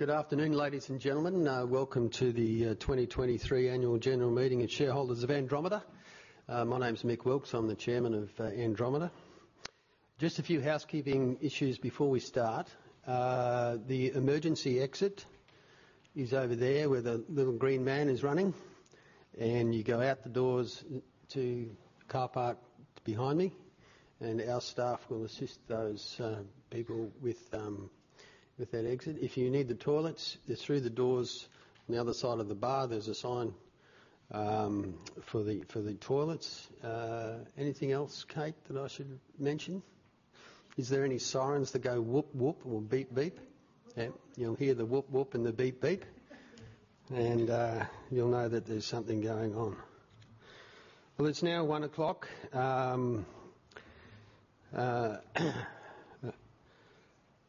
Good afternoon, ladies and gentlemen. Welcome to the 2023 Annual General Meeting of Shareholders of Andromeda. My name is Mick Wilkes. I'm the Chairman of Andromeda. Just a few housekeeping issues before we start. The emergency exit is over there, where the little green man is running, and you go out the doors to the car park behind me, and our staff will assist those people with that exit. If you need the toilets, they're through the doors on the other side of the bar. There's a sign for the toilets. Anything else, Kate, that I should mention? Is there any sirens that go whoop, whoop, or beep, beep? You'll hear the whoop, whoop and the beep, beep, and you'll know that there's something going on. Well, it's now 1:00P.M.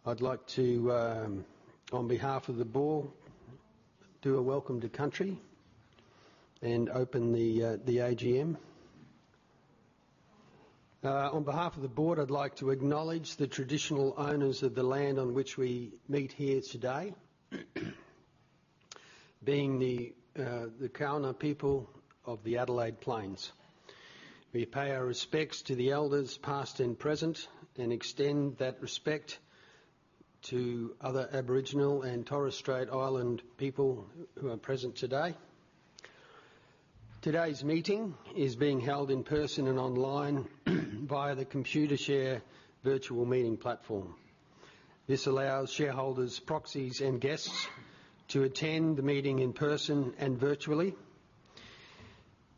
I'd like to, on behalf of the board, do a welcome to country and open the AGM. On behalf of the board, I'd like to acknowledge the traditional owners of the land on which we meet here today, being the Kaurna People of the Adelaide Plains. We pay our respects to the elders, past and present, and extend that respect to other Aboriginal and Torres Strait Island people who are present today. Today's meeting is being held in person and online via the Computershare virtual meeting platform. This allows shareholders, proxies, and guests to attend the meeting in person and virtually,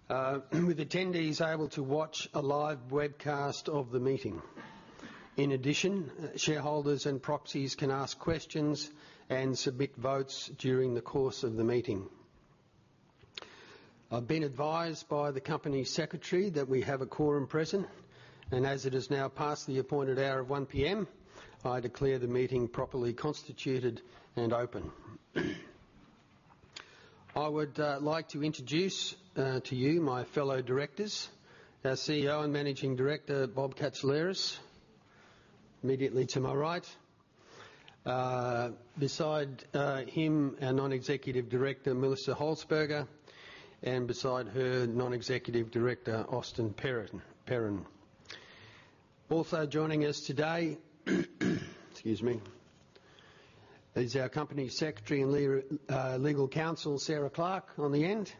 with attendees able to watch a live webcast of the meeting. In addition, shareholders and proxies can ask questions and submit votes during the course of the meeting. I've been advised by the Company Secretary that we have a quorum present, and as it is now past the appointed hour of 1:00P.M., I declare the meeting properly constituted and open. I would like to introduce to you, my fellow directors, our CEO and Managing Director, Bob Katsiouleris, immediately to my right. Beside him, our Non-Executive Director, Melissa Holzberger, and beside her, Non-Executive Director, Austin Perrin. Also joining us today, excuse me, is our Company Secretary and Legal Counsel, Sarah Clarke, on the end,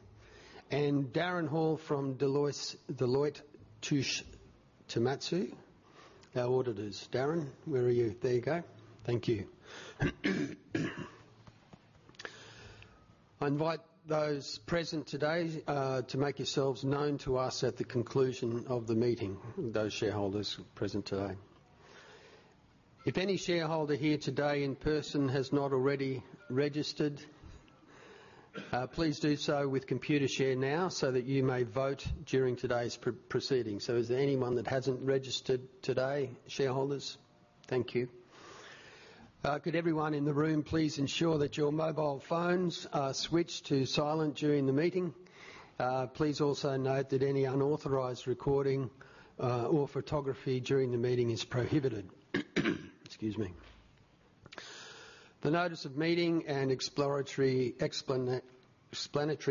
and Darren Hall from Deloitte Touche Tohmatsu, our auditors. Darren, where are you? There you go. Thank you. I invite those present today to make yourselves known to us at the conclusion of the meeting, those shareholders present today. If any shareholder here today in person has not already registered, please do so with Computershare now, so that you may vote during today's proceedings. So is there anyone that hasn't registered today, shareholders? Thank you. Could everyone in the room please ensure that your mobile phones are switched to silent during the meeting? Please also note that any unauthorized recording or photography during the meeting is prohibited. Excuse me. The notice of meeting and explanatory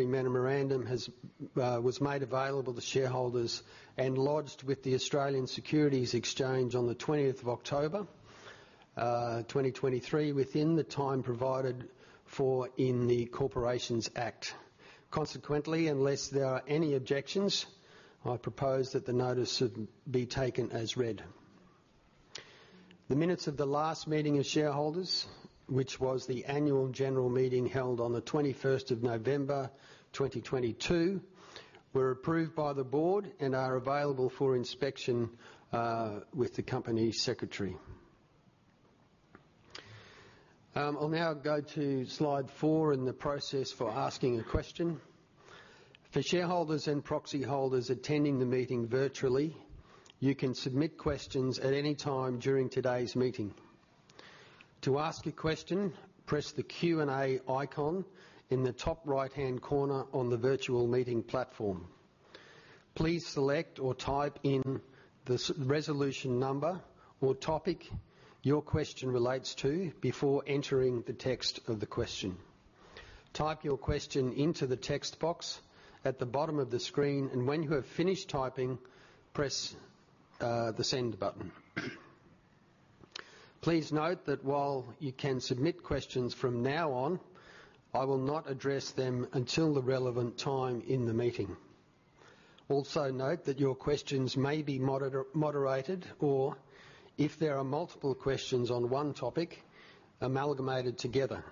memorandum was made available to shareholders and lodged with the Australian Securities Exchange on the 20th of October 2023, within the time provided for in the Corporations Act. Consequently, unless there are any objections, I propose that the notice should be taken as read. The minutes of the last meeting of shareholders, which was the annual general meeting held on the 21st of November, 2022, were approved by the board and are available for inspection with the Company Secretary. I'll now go to slide 4 in the process for asking a question. For shareholders and proxy holders attending the meeting virtually, you can submit questions at any time during today's meeting. To ask a question, press the Q&A icon in the top right-hand corner on the virtual meeting platform. Please select or type in the resolution number or topic your question relates to before entering the text of the question. Type your question into the text box at the bottom of the screen, and when you have finished typing, press the Send button. Please note that while you can submit questions from now on, I will not address them until the relevant time in the meeting. Also note that your questions may be moderated, or if there are multiple questions on one topic, amalgamated together.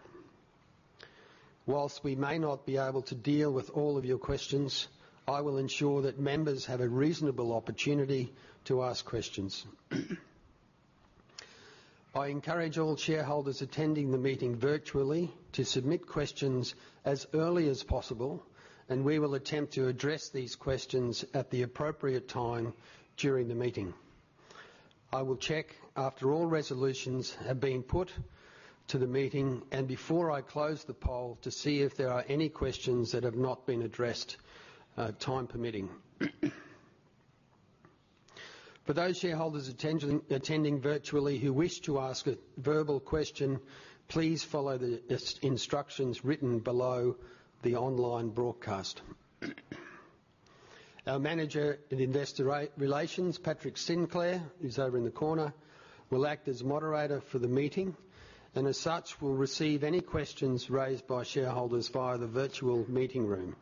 While we may not be able to deal with all of your questions, I will ensure that members have a reasonable opportunity to ask questions. I encourage all shareholders attending the meeting virtually to submit questions as early as possible, and we will attempt to address these questions at the appropriate time during the meeting. I will check after all resolutions have been put to the meeting, and before I close the poll, to see if there are any questions that have not been addressed, time permitting. ... For those shareholders attending virtually who wish to ask a verbal question, please follow the instructions written below the online broadcast. Our Manager in Investor Relations, Patrick Sinclair, who's over in the corner, will act as moderator for the meeting, and as such, will receive any questions raised by shareholders via the virtual meeting room.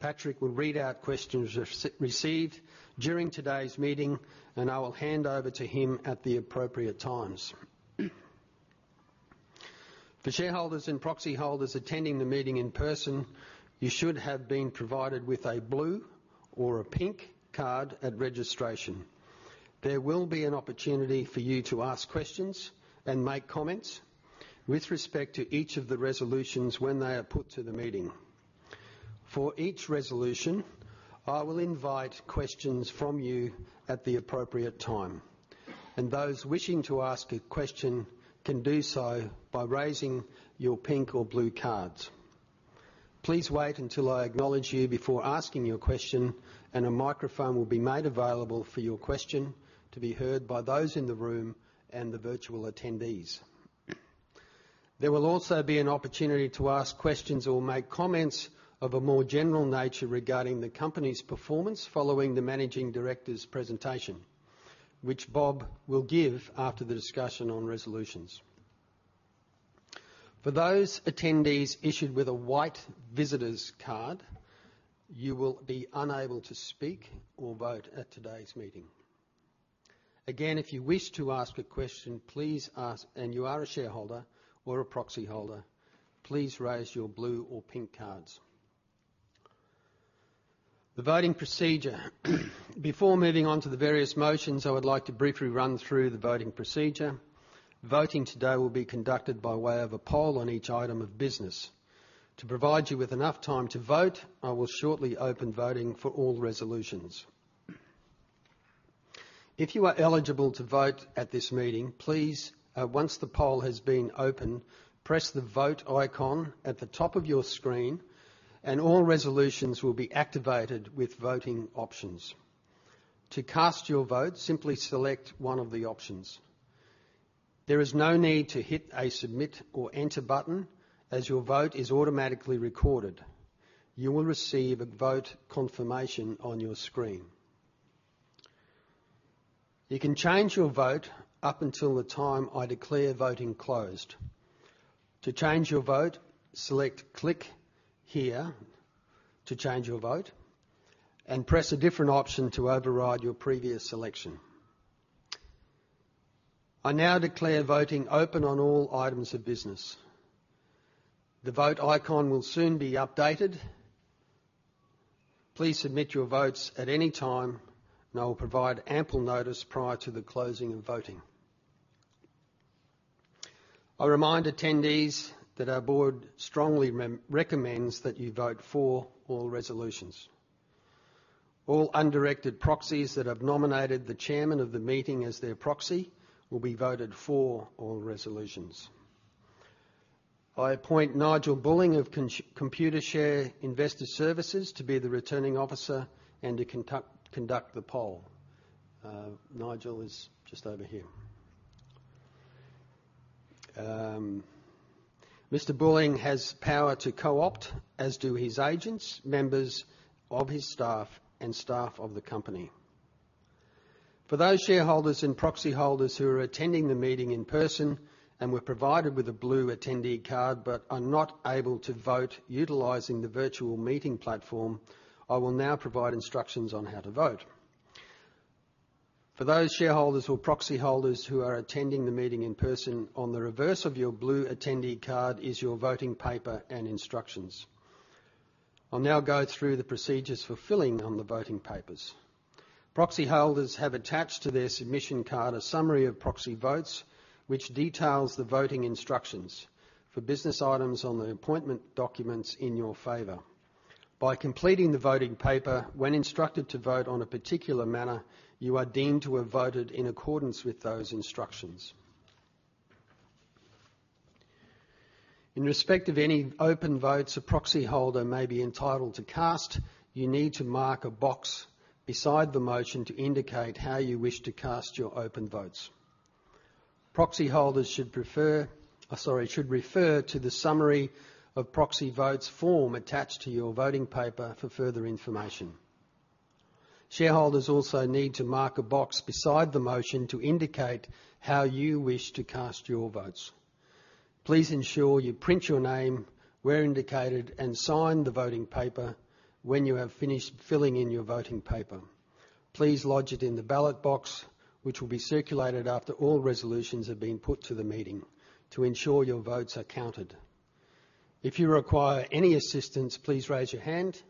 Patrick will read out questions received during today's meeting, and I will hand over to him at the appropriate times. For shareholders and proxy holders attending the meeting in person, you should have been provided with a blue or a pink card at registration. There will be an opportunity for you to ask questions and make comments with respect to each of the resolutions when they are put to the meeting. For each resolution, I will invite questions from you at the appropriate time, and those wishing to ask a question can do so by raising your pink or blue cards. Please wait until I acknowledge you before asking your question, and a microphone will be made available for your question to be heard by those in the room and the virtual attendees. There will also be an opportunity to ask questions or make comments of a more general nature regarding the company's performance following the Managing Director's presentation, which Bob will give after the discussion on resolutions. For those attendees issued with a white visitor's card, you will be unable to speak or vote at today's meeting. Again, if you wish to ask a question, and you are a shareholder or a proxy holder, please raise your blue or pink cards. The voting procedure. Before moving on to the various motions, I would like to briefly run through the voting procedure. Voting today will be conducted by way of a poll on each item of business. To provide you with enough time to vote, I will shortly open voting for all resolutions. If you are eligible to vote at this meeting, please, once the poll has been opened, press the Vote icon at the top of your screen, and all resolutions will be activated with voting options. To cast your vote, simply select one of the options. There is no need to hit a Submit or Enter button, as your vote is automatically recorded. You will receive a vote confirmation on your screen. You can change your vote up until the time I declare voting closed. To change your vote, select Click Here to change your vote, and press a different option to override your previous selection. I now declare voting open on all items of business. The vote icon will soon be updated. Please submit your votes at any time, and I will provide ample notice prior to the closing of voting. I remind attendees that our board strongly recommends that you vote for all resolutions. All undirected proxies that have nominated the chairman of the meeting as their proxy will be voted for all resolutions. I appoint Nigel Bulling of Computershare Investor Services to be the Returning Officer and to conduct the poll. Nigel is just over here. Mr. Bulling has power to co-opt, as do his agents, members of his staff, and staff of the company. For those shareholders and proxy holders who are attending the meeting in person and were provided with a blue attendee card, but are not able to vote utilizing the virtual meeting platform, I will now provide instructions on how to vote. For those shareholders or proxy holders who are attending the meeting in person, on the reverse of your blue attendee card is your voting paper and instructions. I'll now go through the procedures for filling out the voting papers. Proxy holders have attached to their submission card a summary of proxy votes, which details the voting instructions for business items on the appointment documents in your favor. By completing the voting paper, when instructed to vote in a particular manner, you are deemed to have voted in accordance with those instructions. In respect of any open votes a proxy holder may be entitled to cast, you need to mark a box beside the motion to indicate how you wish to cast your open votes. Proxy holders should refer to the summary of proxy votes form attached to your voting paper for further information. Shareholders also need to mark a box beside the motion to indicate how you wish to cast your votes. Please ensure you print your name where indicated and sign the voting paper when you have finished filling in your voting paper. Please lodge it in the ballot box, which will be circulated after all resolutions have been put to the meeting, to ensure your votes are counted. If you require any assistance, please raise your hand.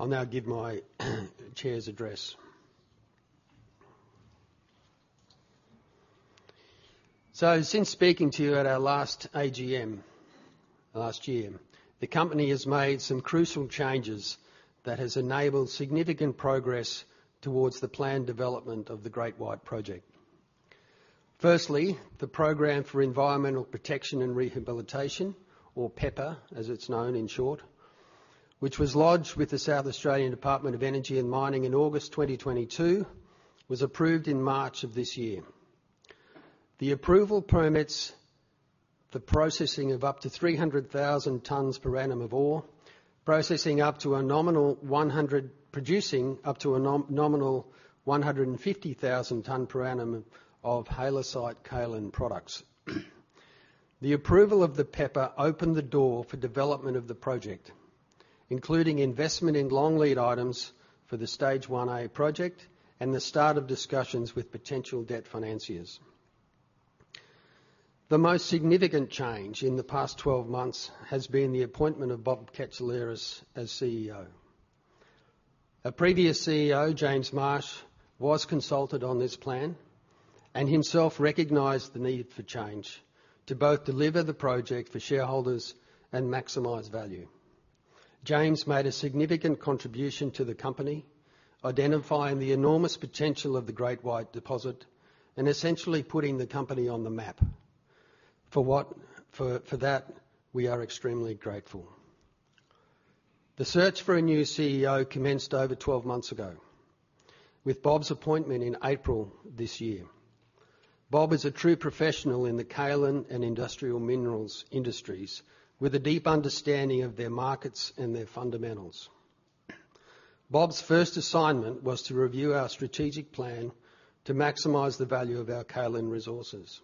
I'll now give my chair's address. So since speaking to you at our last AGM last year, the company has made some crucial changes that has enabled significant progress towards the planned development of the Great White Project. Firstly, the Program for Environmental Protection and Rehabilitation, or PEPR, as it's known in short, which was lodged with the South Australian Department of Energy and Mining in August 2022, was approved in March of this year. The approval permits the processing of up to 300,000 tons per annum of ore, producing up to a nominal 150,000 tons per annum of halloysite kaolin products. The approval of the PEPR opened the door for development of the project, including investment in long lead items for the Stage 1A project and the start of discussions with potential debt financiers. The most significant change in the past 12 months has been the appointment of Bob Katsiouleris as CEO. Our previous CEO, James Marsh, was consulted on this plan and himself recognized the need for change to both deliver the project for shareholders and maximize value. James made a significant contribution to the company, identifying the enormous potential of the Great White deposit and essentially putting the company on the map. For that, we are extremely grateful. The search for a new CEO commenced over 12 months ago, with Bob's appointment in April this year. Bob is a true professional in the kaolin and industrial minerals industries, with a deep understanding of their markets and their fundamentals. Bob's first assignment was to review our strategic plan to maximize the value of our kaolin resources.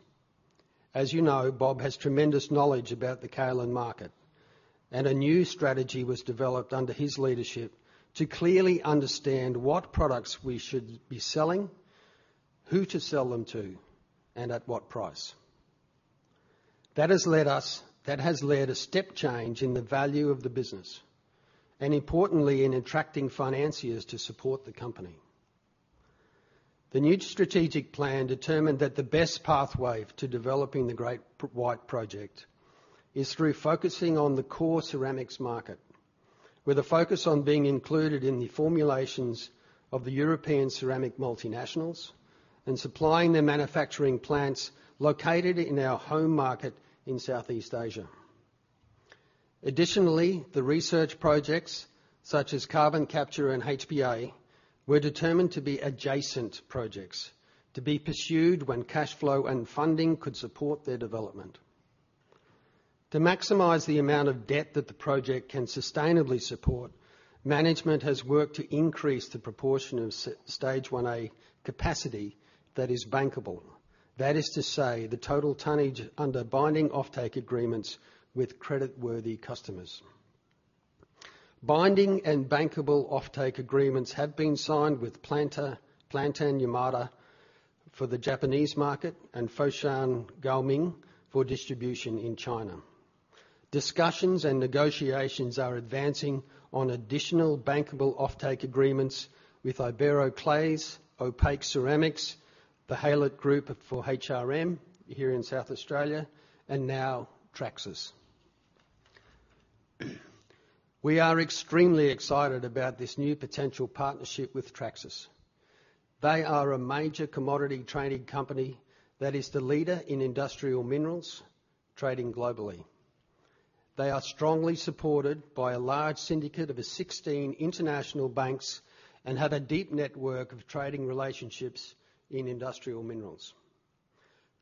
As you know, Bob has tremendous knowledge about the kaolin market, and a new strategy was developed under his leadership to clearly understand what products we should be selling, who to sell them to, and at what price. That has led a step change in the value of the business and, importantly, in attracting financiers to support the company. The new strategic plan determined that the best pathway to developing the Great White Project is through focusing on the core ceramics market, with a focus on being included in the formulations of the European ceramic multinationals and supplying their manufacturing plants located in our home market in Southeast Asia. Additionally, the research projects, such as carbon capture and HPA, were determined to be adjacent projects to be pursued when cash flow and funding could support their development. To maximize the amount of debt that the project can sustainably support, management has worked to increase the proportion of Stage 1A capacity that is bankable. That is to say, the total tonnage under binding offtake agreements with creditworthy customers. Binding and bankable offtake agreements have been signed with Plantan Yamada for the Japanese market and Foshan Gaoming for distribution in China. Discussions and negotiations are advancing on additional bankable offtake agreements with IberoClays, Opeque Ceramics, the Hallett Group for HRM here in South Australia, and now Traxys. We are extremely excited about this new potential partnership with Traxys. They are a major commodity trading company that is the leader in industrial minerals trading globally. They are strongly supported by a large syndicate of 16 international banks and have a deep network of trading relationships in industrial minerals.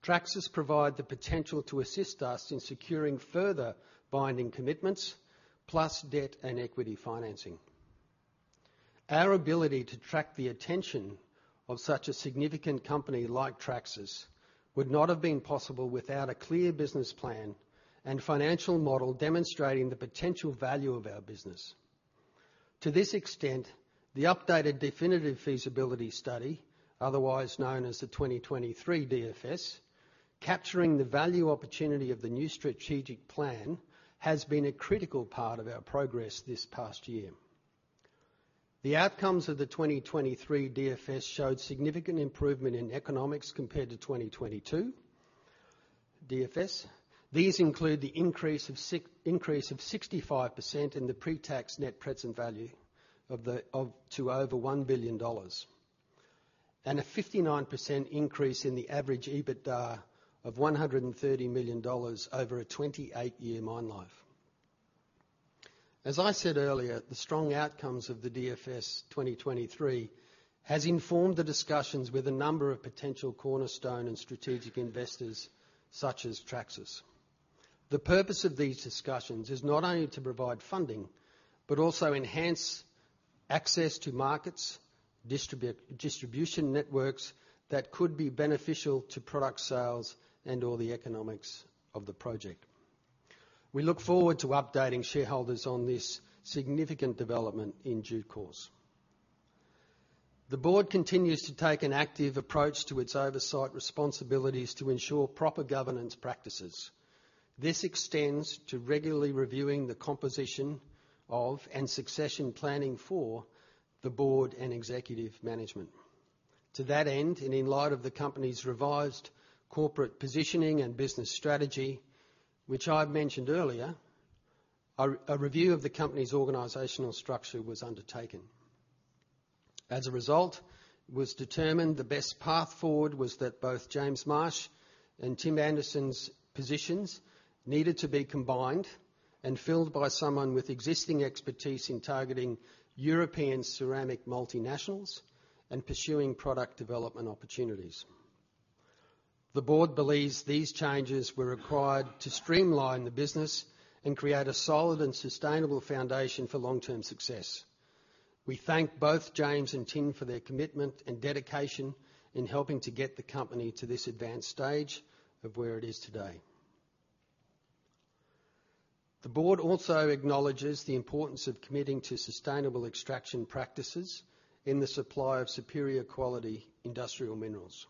Traxys provide the potential to assist us in securing further binding commitments, plus debt and equity financing. Our ability to attract the attention of such a significant company like Traxys would not have been possible without a clear business plan and financial model demonstrating the potential value of our business. To this extent, the updated definitive feasibility study, otherwise known as the 2023 DFS, capturing the value opportunity of the new strategic plan, has been a critical part of our progress this past year. The outcomes of the 2023 DFS showed significant improvement in economics compared to 2022 DFS. These include the increase of 65% in the pre-tax net present value to over 1 billion dollars, and a 59% increase in the average EBITDA of 130 million dollars over a 28-year mine life. As I said earlier, the strong outcomes of the DFS 2023 has informed the discussions with a number of potential cornerstone and strategic investors, such as Traxys. The purpose of these discussions is not only to provide funding, but also enhance access to markets, distribution networks that could be beneficial to product sales and/or the economics of the project. We look forward to updating shareholders on this significant development in due course. The board continues to take an active approach to its oversight responsibilities to ensure proper governance practices. This extends to regularly reviewing the composition of and succession planning for the board and executive management. To that end, and in light of the company's revised corporate positioning and business strategy, which I've mentioned earlier, a review of the company's organizational structure was undertaken. As a result, it was determined the best path forward was that both James Marsh and Tim Anderson's positions needed to be combined and filled by someone with existing expertise in targeting European ceramic multinationals and pursuing product development opportunities. The board believes these changes were required to streamline the business and create a solid and sustainable foundation for long-term success. We thank both James and Tim for their commitment and dedication in helping to get the company to this advanced stage of where it is today. The board also acknowledges the importance of committing to sustainable extraction practices in the supply of superior quality industrial minerals.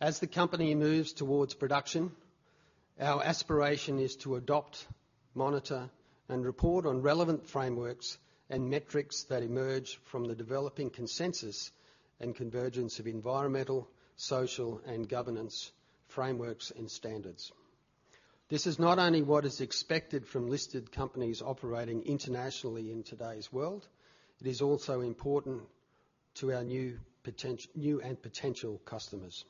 As the company moves towards production, our aspiration is to adopt, monitor, and report on relevant frameworks and metrics that emerge from the developing consensus and convergence of environmental, social, and governance frameworks and standards. This is not only what is expected from listed companies operating internationally in today's world; it is also important to our new and potential customers.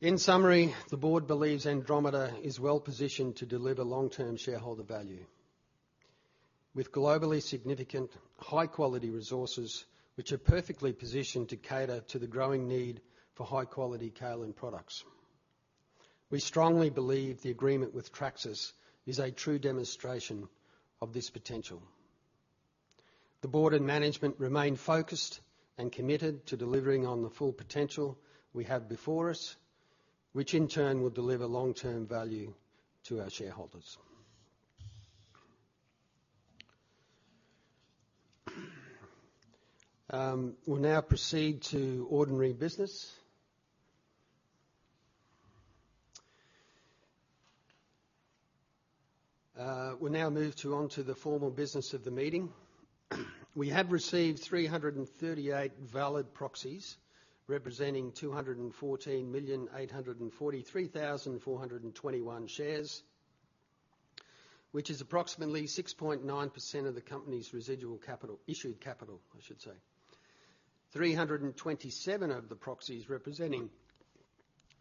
In summary, the board believes Andromeda is well positioned to deliver long-term shareholder value with globally significant high-quality resources, which are perfectly positioned to cater to the growing need for high-quality kaolin products. We strongly believe the agreement with Traxys is a true demonstration of this potential. The board and management remain focused and committed to delivering on the full potential we have before us, which in turn will deliver long-term value to our shareholders. We'll now proceed to ordinary business. We now move to, onto the formal business of the meeting. We have received 338 valid proxies, representing 214,843,421 shares, which is approximately 6.9% of the company's residual capital, issued capital, I should say. 327 of the proxies representing,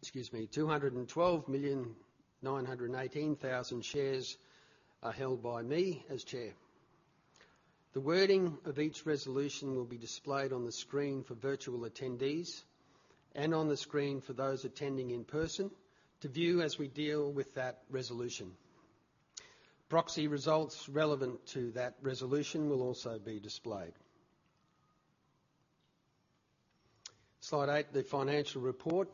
excuse me, 212,918,000 shares are held by me as Chair. The wording of each resolution will be displayed on the screen for virtual attendees and on the screen for those attending in person to view as we deal with that resolution. Proxy results relevant to that resolution will also be displayed. Slide 8, the financial report.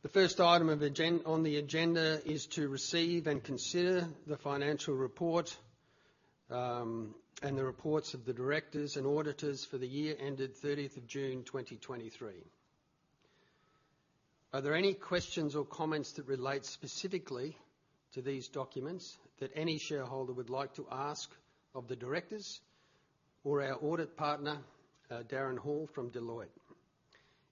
The first item on the agenda is to receive and consider the financial report and the reports of the directors and auditors for the year ended 30th of June 2023. Are there any questions or comments that relate specifically to these documents that any shareholder would like to ask of the directors or our audit partner Darren Hall from Deloitte?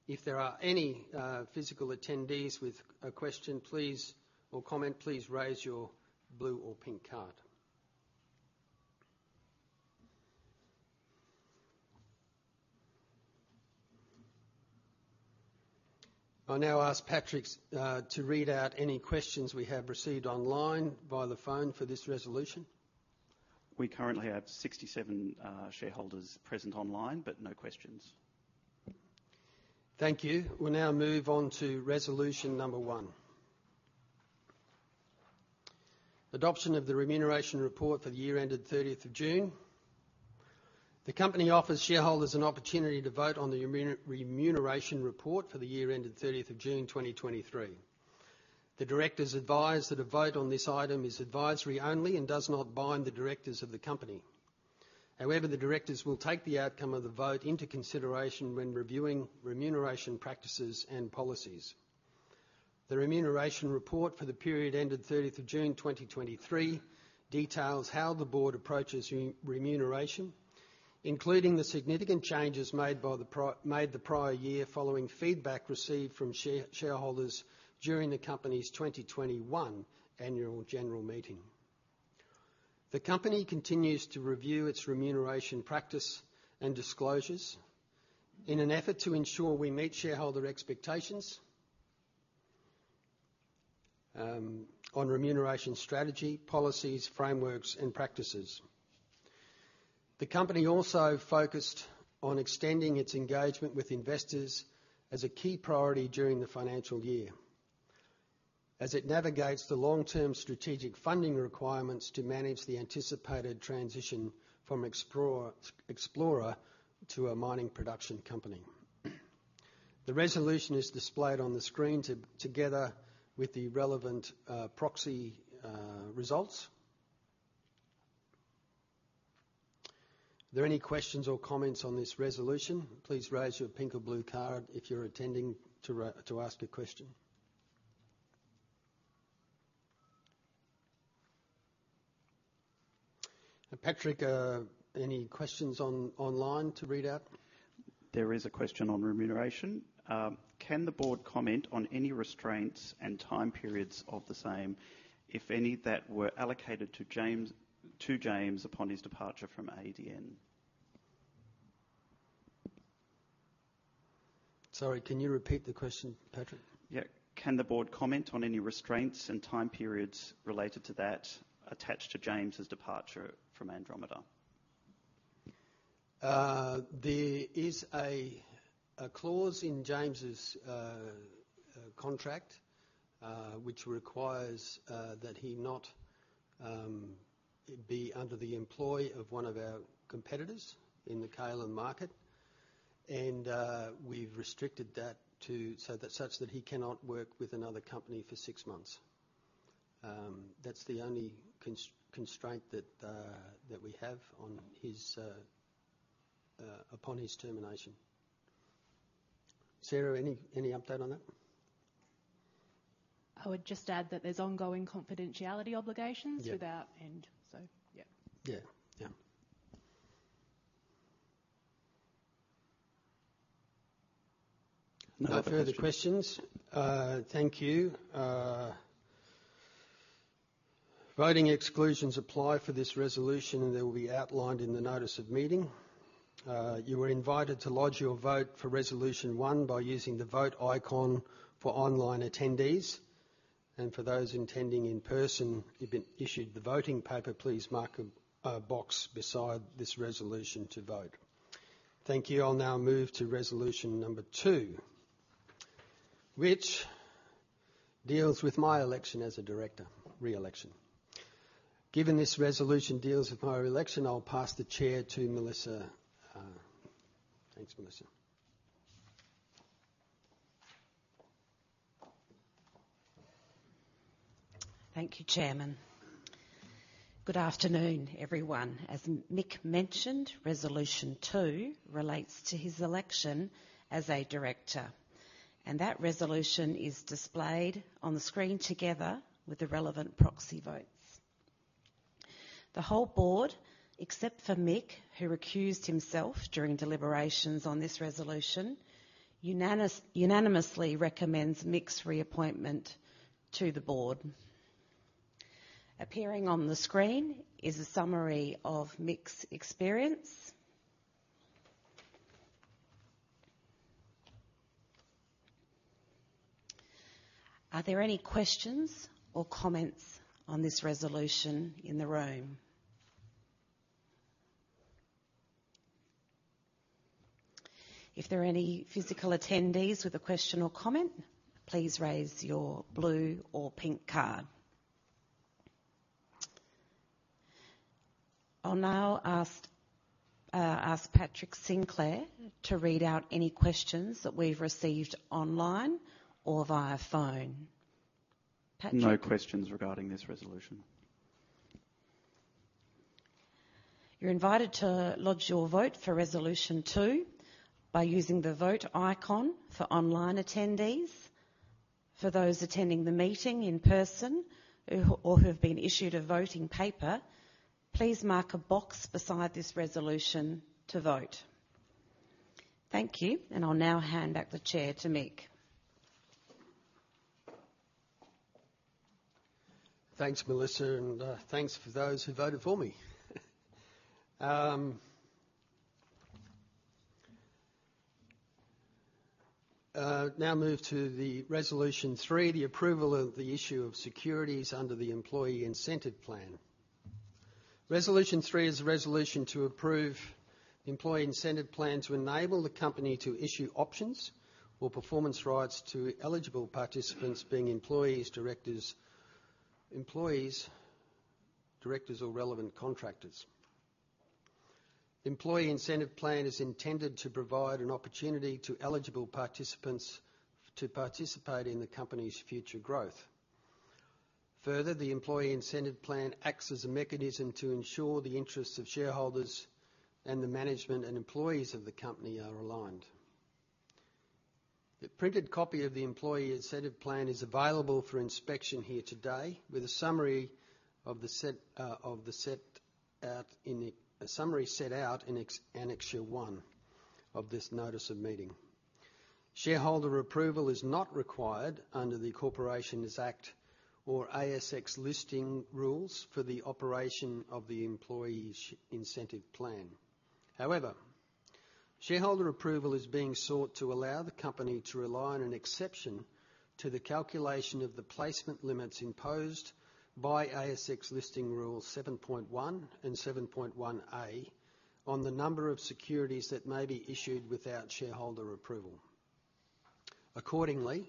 If there are any physical attendees with a question or comment, please raise your blue or pink card. I now ask Patrick to read out any questions we have received online via the phone for this resolution. We currently have 67 shareholders present online, but no questions. Thank you. We'll now move on to resolution number one. Adoption of the remuneration report for the year ended thirtieth of June. The company offers shareholders an opportunity to vote on the remuneration report for the year ended thirtieth of June, 2023. The directors advise that a vote on this item is advisory only and does not bind the directors of the company. However, the directors will take the outcome of the vote into consideration when reviewing remuneration practices and policies. The remuneration report for the period ended thirtieth of June, 2023, details how the board approaches remuneration, including the significant changes made the prior year following feedback received from shareholders during the company's 2021 annual general meeting. The company continues to review its remuneration practice and disclosures in an effort to ensure we meet shareholder expectations, on remuneration strategy, policies, frameworks and practices. The company also focused on extending its engagement with investors as a key priority during the financial year, as it navigates the long-term strategic funding requirements to manage the anticipated transition from explorer to a mining production company. The resolution is displayed on the screen together with the relevant, proxy results. Are there any questions or comments on this resolution? Please raise your pink or blue card if you're attending to ask a question. Patrick, any questions online to read out?... There is a question on remuneration. Can the board comment on any restraints and time periods of the same, if any, that were allocated to James, to James upon his departure from ADN? Sorry, can you repeat the question, Patrick? Yeah. Can the board comment on any restraints and time periods related to that attached to James's departure from Andromeda? There is a clause in James's contract which requires that he not be under the employ of one of our competitors in the kaolin market. We've restricted that so that such that he cannot work with another company for six months. That's the only constraint that we have on his termination. Sarah, any update on that? I would just add that there's ongoing confidentiality obligations. Yeah... without end. So yeah. Yeah. Yeah. No further questions? Thank you. Voting exclusions apply for this resolution, and they will be outlined in the notice of meeting. You were invited to lodge your vote for resolution one by using the vote icon for online attendees, and for those attending in person, you've been issued the voting paper. Please mark a box beside this resolution to vote. Thank you. I'll now move to resolution number two, which deals with my election as a director, re-election. Given this resolution deals with my re-election, I'll pass the chair to Melissa. Thanks, Melissa. Thank you, Chairman. Good afternoon, everyone. As Mick mentioned, resolution two relates to his election as a director, and that resolution is displayed on the screen together with the relevant proxy votes. The whole board, except for Mick, who recused himself during deliberations on this resolution, unanimously recommends Mick's reappointment to the board. Appearing on the screen is a summary of Mick's experience. Are there any questions or comments on this resolution in the room? If there are any physical attendees with a question or comment, please raise your blue or pink card. I'll now ask Patrick Sinclair to read out any questions that we've received online or via phone. Patrick? No questions regarding this resolution. You're invited to lodge your vote for resolution two by using the vote icon for online attendees. For those attending the meeting in person or who have been issued a voting paper, please mark a box beside this resolution to vote. Thank you, and I'll now hand back the chair to Mick. Thanks, Melissa, and thanks for those who voted for me. Now move to resolution three, the approval of the issue of securities under the employee incentive plan. Resolution three is a resolution to approve the employee incentive plan to enable the company to issue options or performance rights to eligible participants, being employees, directors, employees, directors, or relevant contractors. Employee incentive plan is intended to provide an opportunity to eligible participants to participate in the company's future growth. Further, the employee incentive plan acts as a mechanism to ensure the interests of shareholders and the management and employees of the company are aligned. The printed copy of the employee incentive plan is available for inspection here today, with a summary set out in Annexure One of this notice of meeting. Shareholder approval is not required under the Corporations Act or ASX listing rules for the operation of the employee share incentive plan. However, shareholder approval is being sought to allow the company to rely on an exception to the calculation of the placement limits imposed by ASX listing rule 7.1 and 7.1A, on the number of securities that may be issued without shareholder approval. Accordingly,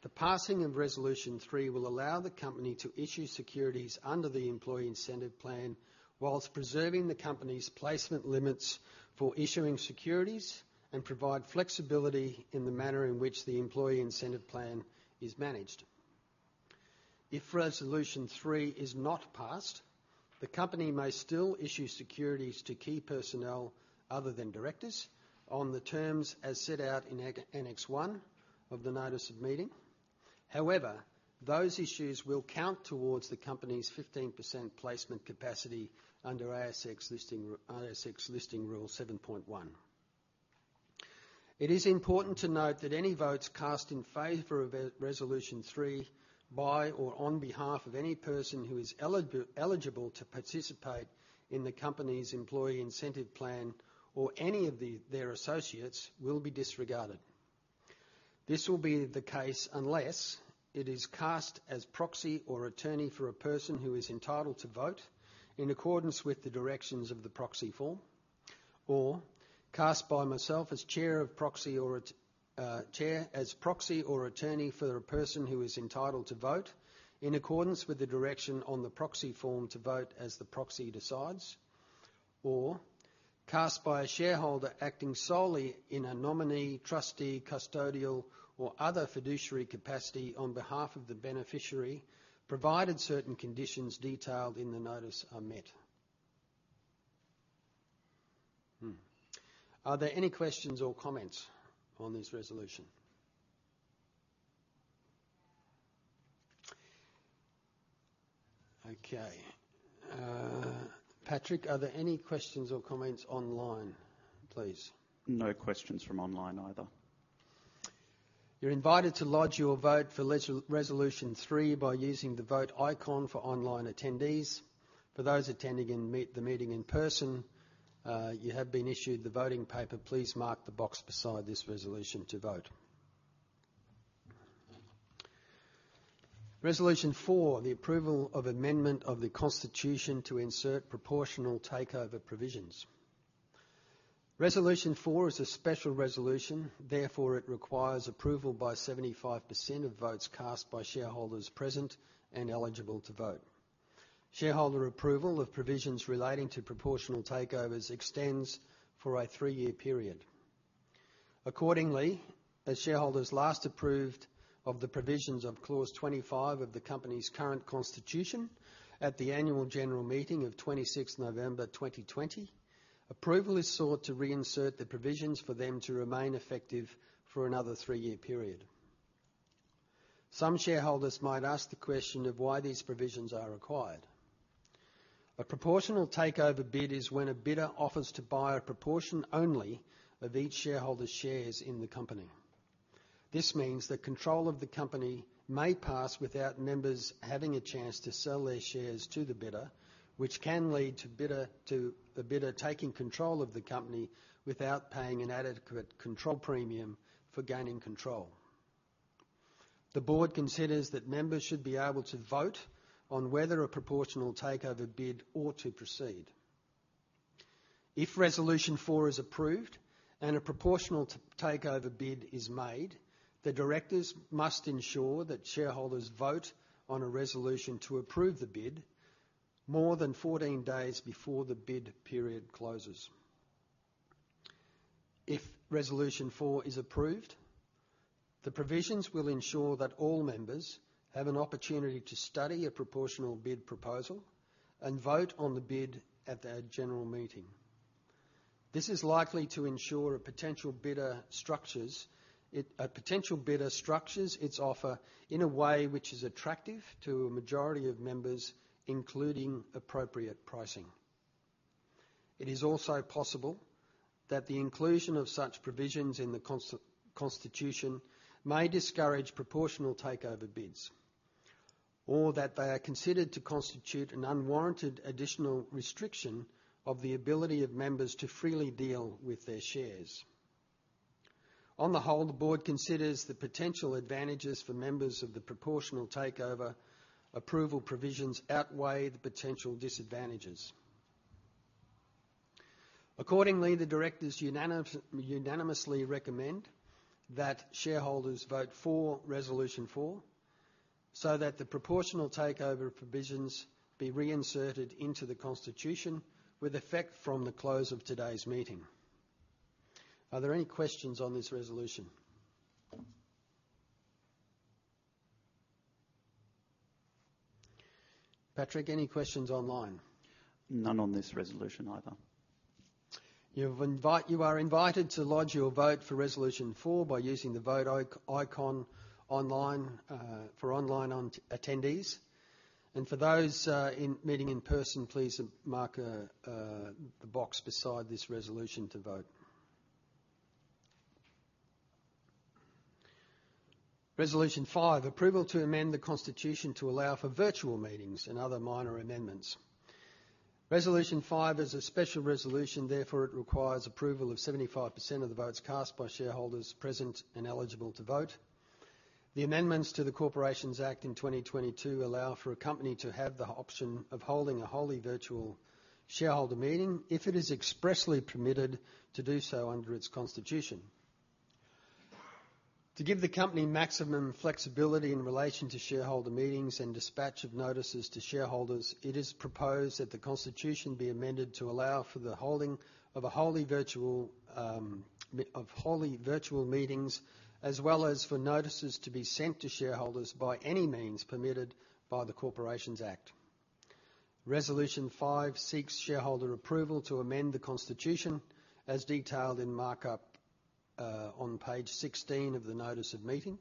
the passing of resolution 3 will allow the company to issue securities under the employee incentive plan, whilst preserving the company's placement limits for issuing securities and provide flexibility in the manner in which the employee incentive plan is managed. If resolution 3 is not passed, the company may still issue securities to key personnel other than directors on the terms as set out in Annex 1 of the notice of meeting.... However, those issues will count towards the company's 15% placement capacity under ASX Listing Rule 7.1. It is important to note that any votes cast in favor of Resolution Three by or on behalf of any person who is eligible to participate in the company's employee incentive plan, or any of their associates, will be disregarded. This will be the case unless it is cast as proxy or attorney for a person who is entitled to vote in accordance with the directions of the proxy form, or cast by myself as chair of proxy or chair as proxy or attorney for a person who is entitled to vote in accordance with the direction on the proxy form to vote as the proxy decides, or cast by a shareholder acting solely in a nominee, trustee, custodial, or other fiduciary capacity on behalf of the beneficiary, provided certain conditions detailed in the notice are met. Hmm, are there any questions or comments on this resolution? Okay. Patrick, are there any questions or comments online, please? No questions from online either. You're invited to lodge your vote for Resolution Three by using the Vote icon for online attendees. For those attending the meeting in person, you have been issued the voting paper. Please mark the box beside this resolution to vote. Resolution Four, the approval of amendment of the Constitution to insert proportional takeover provisions. Resolution Four is a special resolution, therefore, it requires approval by 75% of votes cast by shareholders present and eligible to vote. Shareholder approval of provisions relating to proportional takeovers extends for a three-year period. Accordingly, as shareholders last approved of the provisions of Clause 25 of the company's current constitution at the annual general meeting of 26th November, 2020, approval is sought to reinsert the provisions for them to remain effective for another three-year period. Some shareholders might ask the question of why these provisions are required. A proportional takeover bid is when a bidder offers to buy a proportion only of each shareholder's shares in the company. This means that control of the company may pass without members having a chance to sell their shares to the bidder, which can lead to the bidder taking control of the company without paying an adequate control premium for gaining control. The board considers that members should be able to vote on whether a proportional takeover bid ought to proceed. If Resolution 4 is approved and a proportional takeover bid is made, the directors must ensure that shareholders vote on a resolution to approve the bid more than 14 days before the bid period closes. If Resolution 4 is approved, the provisions will ensure that all members have an opportunity to study a proportional bid proposal and vote on the bid at their general meeting. This is likely to ensure a potential bidder structures its offer in a way which is attractive to a majority of members, including appropriate pricing. It is also possible that the inclusion of such provisions in the constitution may discourage proportional takeover bids, or that they are considered to constitute an unwarranted additional restriction of the ability of members to freely deal with their shares. On the whole, the board considers the potential advantages for members of the proportional takeover approval provisions outweigh the potential disadvantages. Accordingly, the directors unanimously recommend that shareholders vote for Resolution Four, so that the proportional takeover provisions be reinserted into the Constitution with effect from the close of today's meeting. Are there any questions on this resolution? Patrick, any questions online? None on this resolution either. You are invited to lodge your vote for Resolution Four by using the Vote icon online for online attendees, and for those in meeting in person, please mark the box beside this resolution to vote. Resolution Five, approval to amend the Constitution to allow for virtual meetings and other minor amendments. Resolution Five is a special resolution, therefore, it requires approval of 75% of the votes cast by shareholders present and eligible to vote. The amendments to the Corporations Act in 2022 allow for a company to have the option of holding a wholly virtual shareholder meeting if it is expressly permitted to do so under its constitution. To give the company maximum flexibility in relation to shareholder meetings and dispatch of notices to shareholders, it is proposed that the Constitution be amended to allow for the holding of wholly virtual meetings, as well as for notices to be sent to shareholders by any means permitted by the Corporations Act. Resolution 5 seeks shareholder approval to amend the constitution as detailed in markup on page 16 of the Notice of Meeting.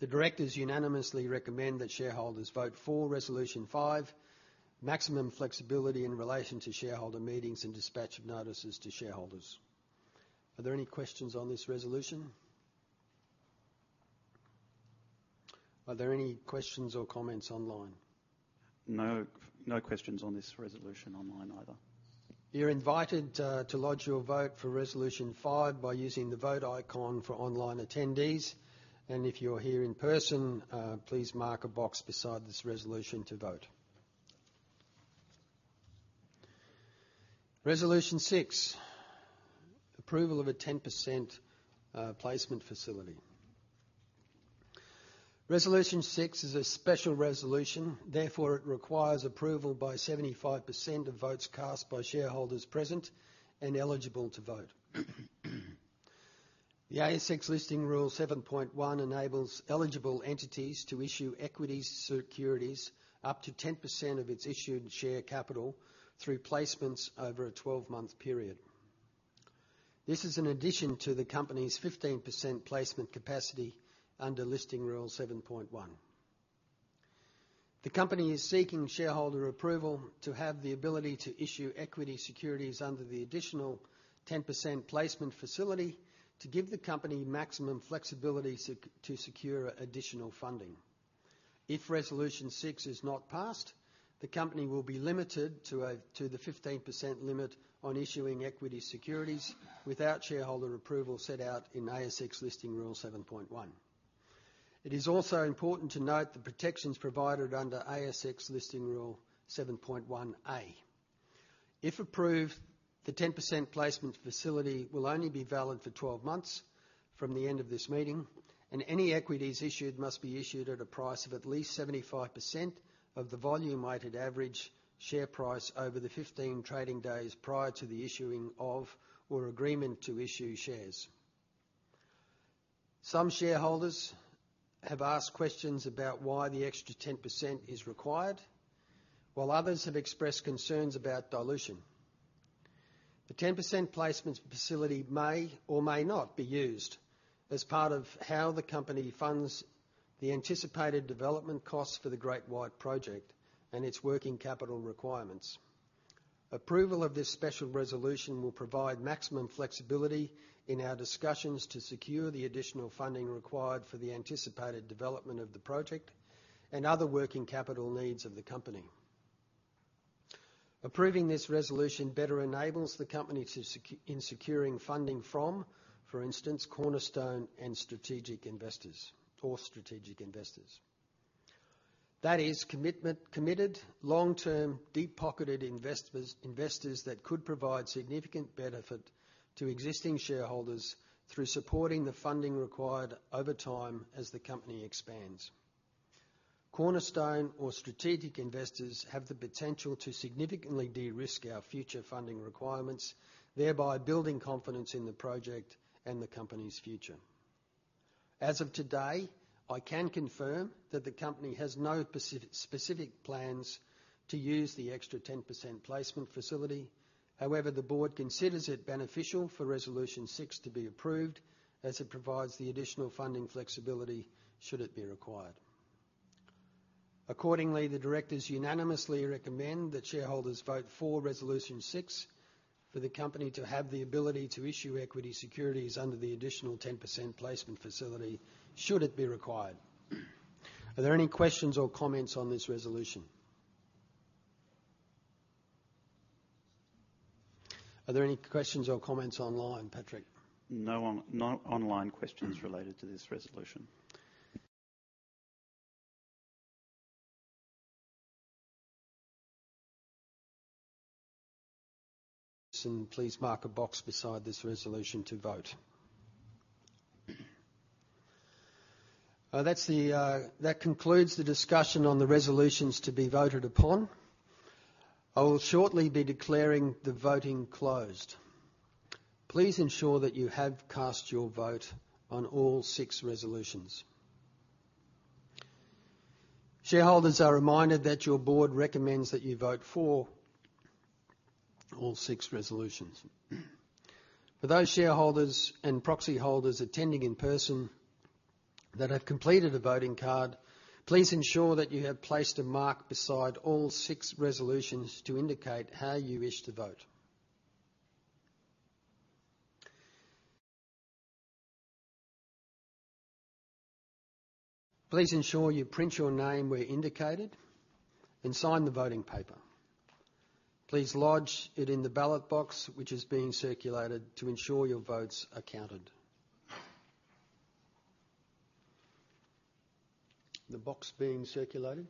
The directors unanimously recommend that shareholders vote for Resolution 5, maximum flexibility in relation to shareholder meetings and dispatch of notices to shareholders. Are there any questions on this resolution? Are there any questions or comments online? No, no questions on this resolution online either. You're invited to lodge your vote for Resolution 5 by using the Vote icon for online attendees, and if you're here in person, please mark a box beside this resolution to vote. Resolution 6: approval of a 10% placement facility. Resolution 6 is a special resolution, therefore, it requires approval by 75% of votes cast by shareholders present and eligible to vote. The ASX Listing Rule 7.1 enables eligible entities to issue equity securities up to 10% of its issued share capital through placements over a 12-month period. This is in addition to the company's 15% placement capacity under Listing Rule 7.1. The company is seeking shareholder approval to have the ability to issue equity securities under the additional 10% placement facility to give the company maximum flexibility to secure additional funding. If Resolution six is not passed, the company will be limited to the 15% limit on issuing equity securities without shareholder approval set out in ASX Listing Rule 7.1. It is also important to note the protections provided under ASX Listing Rule 7.1A. If approved, the 10% placement facility will only be valid for 12 months from the end of this meeting, and any equities issued must be issued at a price of at least 75% of the volume weighted average share price over the 15 trading days prior to the issuing of or agreement to issue shares. Some shareholders have asked questions about why the extra 10% is required, while others have expressed concerns about dilution. The 10% placement facility may or may not be used as part of how the company funds the anticipated development costs for the Great White Project and its working capital requirements. Approval of this special resolution will provide maximum flexibility in our discussions to secure the additional funding required for the anticipated development of the project and other working capital needs of the company. Approving this resolution better enables the company to secure funding from, for instance, cornerstone and strategic investors, or strategic investors. That is commitment, committed long-term, deep-pocketed investors, investors that could provide significant benefit to existing shareholders through supporting the funding required over time as the company expands. Cornerstone or strategic investors have the potential to significantly de-risk our future funding requirements, thereby building confidence in the project and the company's future. As of today, I can confirm that the company has no specific plans to use the extra 10% placement facility. However, the board considers it beneficial for Resolution 6 to be approved as it provides the additional funding flexibility should it be required. Accordingly, the directors unanimously recommend that shareholders vote for Resolution 6 for the company to have the ability to issue equity securities under the additional 10% placement facility, should it be required. Are there any questions or comments on this resolution? Are there any questions or comments online, Patrick? No online questions related to this resolution. Please mark a box beside this resolution to vote. That's the, that concludes the discussion on the resolutions to be voted upon. I will shortly be declaring the voting closed. Please ensure that you have cast your vote on all six resolutions. Shareholders are reminded that your board recommends that you vote for all six resolutions. For those shareholders and proxy holders attending in person that have completed a voting card, please ensure that you have placed a mark beside all six resolutions to indicate how you wish to vote. Please ensure you print your name where indicated, and sign the voting paper. Please lodge it in the ballot box, which is being circulated, to ensure your votes are counted. The box being circulated.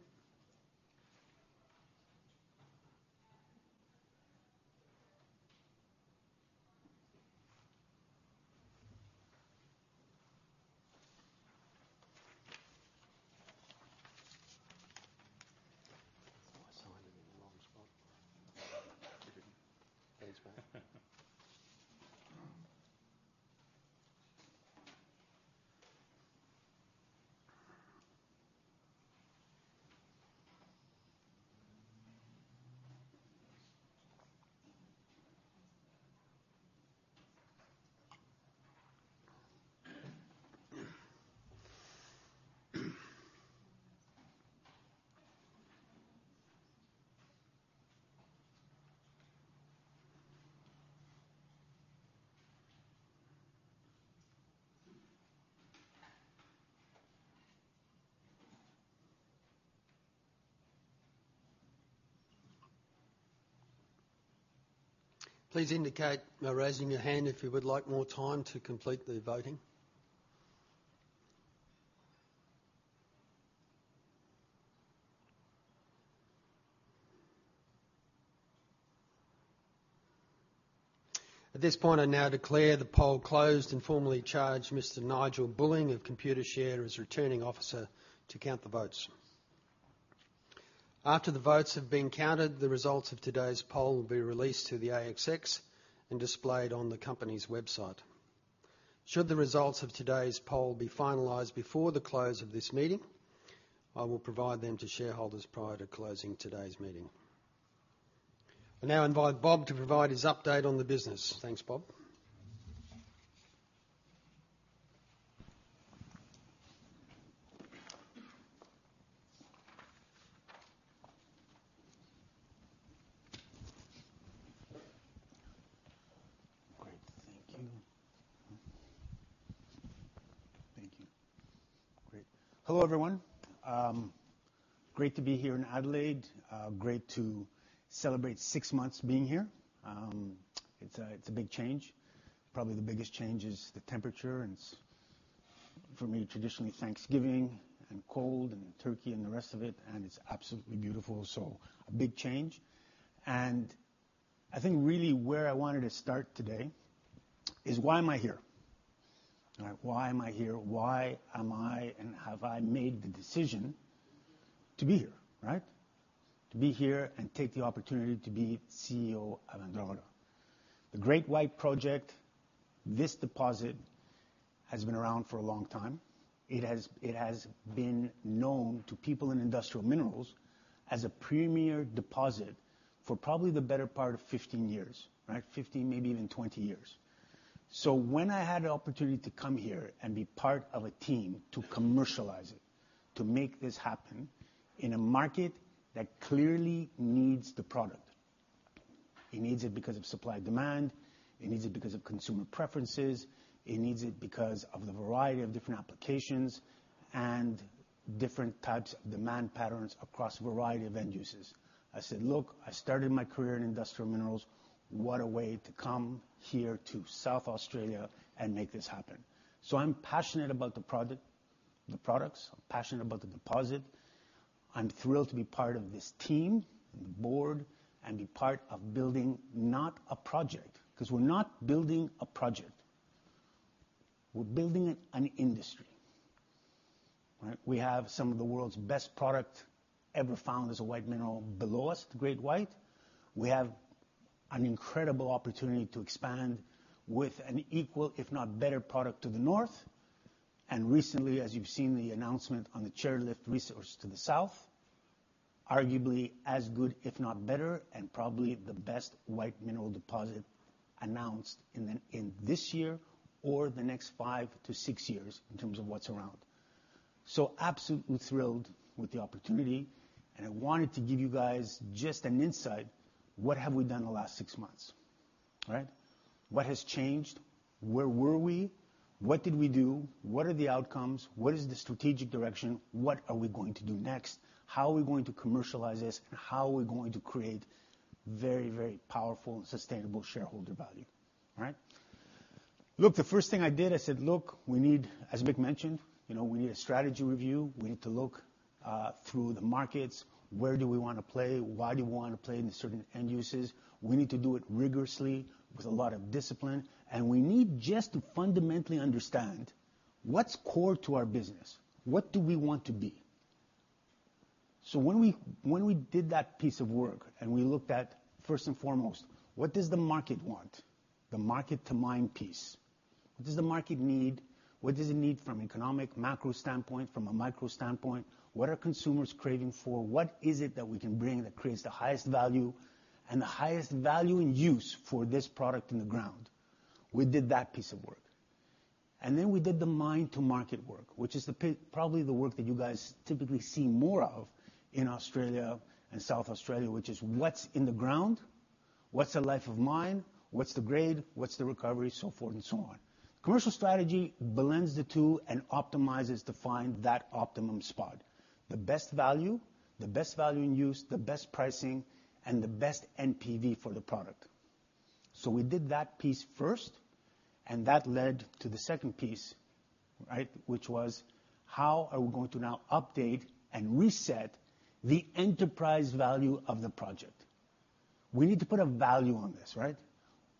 I signed it in the wrong spot. Thanks, mate.... Please indicate by raising your hand if you would like more time to complete the voting. At this point, I now declare the poll closed and formally charge Mr. Nigel Bulling of Computershare as Returning Officer to count the votes. After the votes have been counted, the results of today's poll will be released to the ASX and displayed on the company's website. Should the results of today's poll be finalized before the close of this meeting, I will provide them to shareholders prior to closing today's meeting. I now invite Bob to provide his update on the business. Thanks, Bob. Great. Thank you. Thank you. Great. Hello, everyone. Great to be here in Adelaide. Great to celebrate six months being here. It's a, it's a big change. Probably the biggest change is the temperature, and it's for me, traditionally, Thanksgiving, and cold, and turkey, and the rest of it, and it's absolutely beautiful. So a big change. I think really where I wanted to start today is, why am I here? Right, why am I here? Why am I, and have I made the decision to be here, right? To be here and take the opportunity to be CEO of Andromeda. The Great White project, this deposit has been around for a long time. It has, it has been known to people in industrial minerals as a premier deposit for probably the better part of 15 years, right? 15, maybe even 20 years. So when I had an opportunity to come here and be part of a team to commercialize it, to make this happen in a market that clearly needs the product. It needs it because of supply, demand. It needs it because of consumer preferences. It needs it because of the variety of different applications and different types of demand patterns across a variety of end uses. I said: Look, I started my career in industrial minerals. What a way to come here to South Australia and make this happen. So I'm passionate about the product, the products. I'm passionate about the deposit. I'm thrilled to be part of this team and board and be part of building not a project, 'cause we're not building a project, we're building an industry, right? We have some of the world's best product ever found as a white mineral below us, Great White. We have an incredible opportunity to expand with an equal, if not better, product to the north. Recently, as you've seen the announcement on the Chairlift resource to the south, arguably as good, if not better, and probably the best white mineral deposit announced in the, in this year or the next 5 years-6 years in terms of what's around. Absolutely thrilled with the opportunity, and I wanted to give you guys just an insight, what have we done in the last 6 months, right? What has changed? Where were we? What did we do? What are the outcomes? What is the strategic direction? What are we going to do next? How are we going to commercialize this, and how are we going to create very, very powerful and sustainable shareholder value, right? Look, the first thing I did, I said: Look, we need, as Mick mentioned, you know, we need a strategy review. We need to look through the markets. Where do we want to play? Why do we want to play in certain end uses? We need to do it rigorously with a lot of discipline, and we need just to fundamentally understand what's core to our business. What do we want to be? So when we, when we did that piece of work, and we looked at, first and foremost, what does the market want? The market to mine piece. What does the market need? What does it need from economic, macro standpoint, from a micro standpoint? What are consumers craving for? What is it that we can bring that creates the highest value and the highest value in use for this product in the ground? We did that piece of work. Then we did the mine-to-market work, which is probably the work that you guys typically see more of in Australia and South Australia, which is what's in the ground? What's the life of mine? What's the grade? What's the recovery? So forth and so on. Commercial strategy blends the two and optimizes to find that optimum spot. The best value, the best value in use, the best pricing, and the best NPV for the product. So we did that piece first, and that led to the second piece, right? Which was, how are we going to now update and reset the enterprise value of the project? We need to put a value on this, right?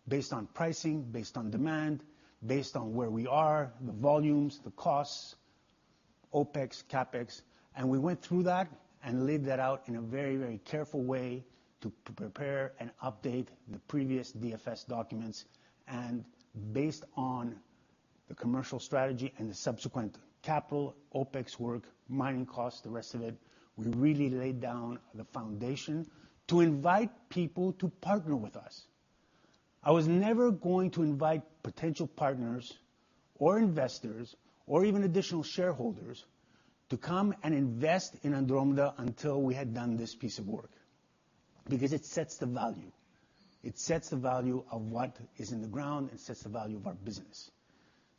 Based on pricing, based on demand, based on where we are, the volumes, the costs, OpEx, CapEx. We went through that and laid that out in a very, very careful way to prepare and update the previous DFS documents. And based on the commercial strategy and the subsequent capital, OpEx work, mining costs, the rest of it, we really laid down the foundation to invite people to partner with us. I was never going to invite potential partners or investors, or even additional shareholders, to come and invest in Andromeda until we had done this piece of work, because it sets the value. It sets the value of what is in the ground and sets the value of our business.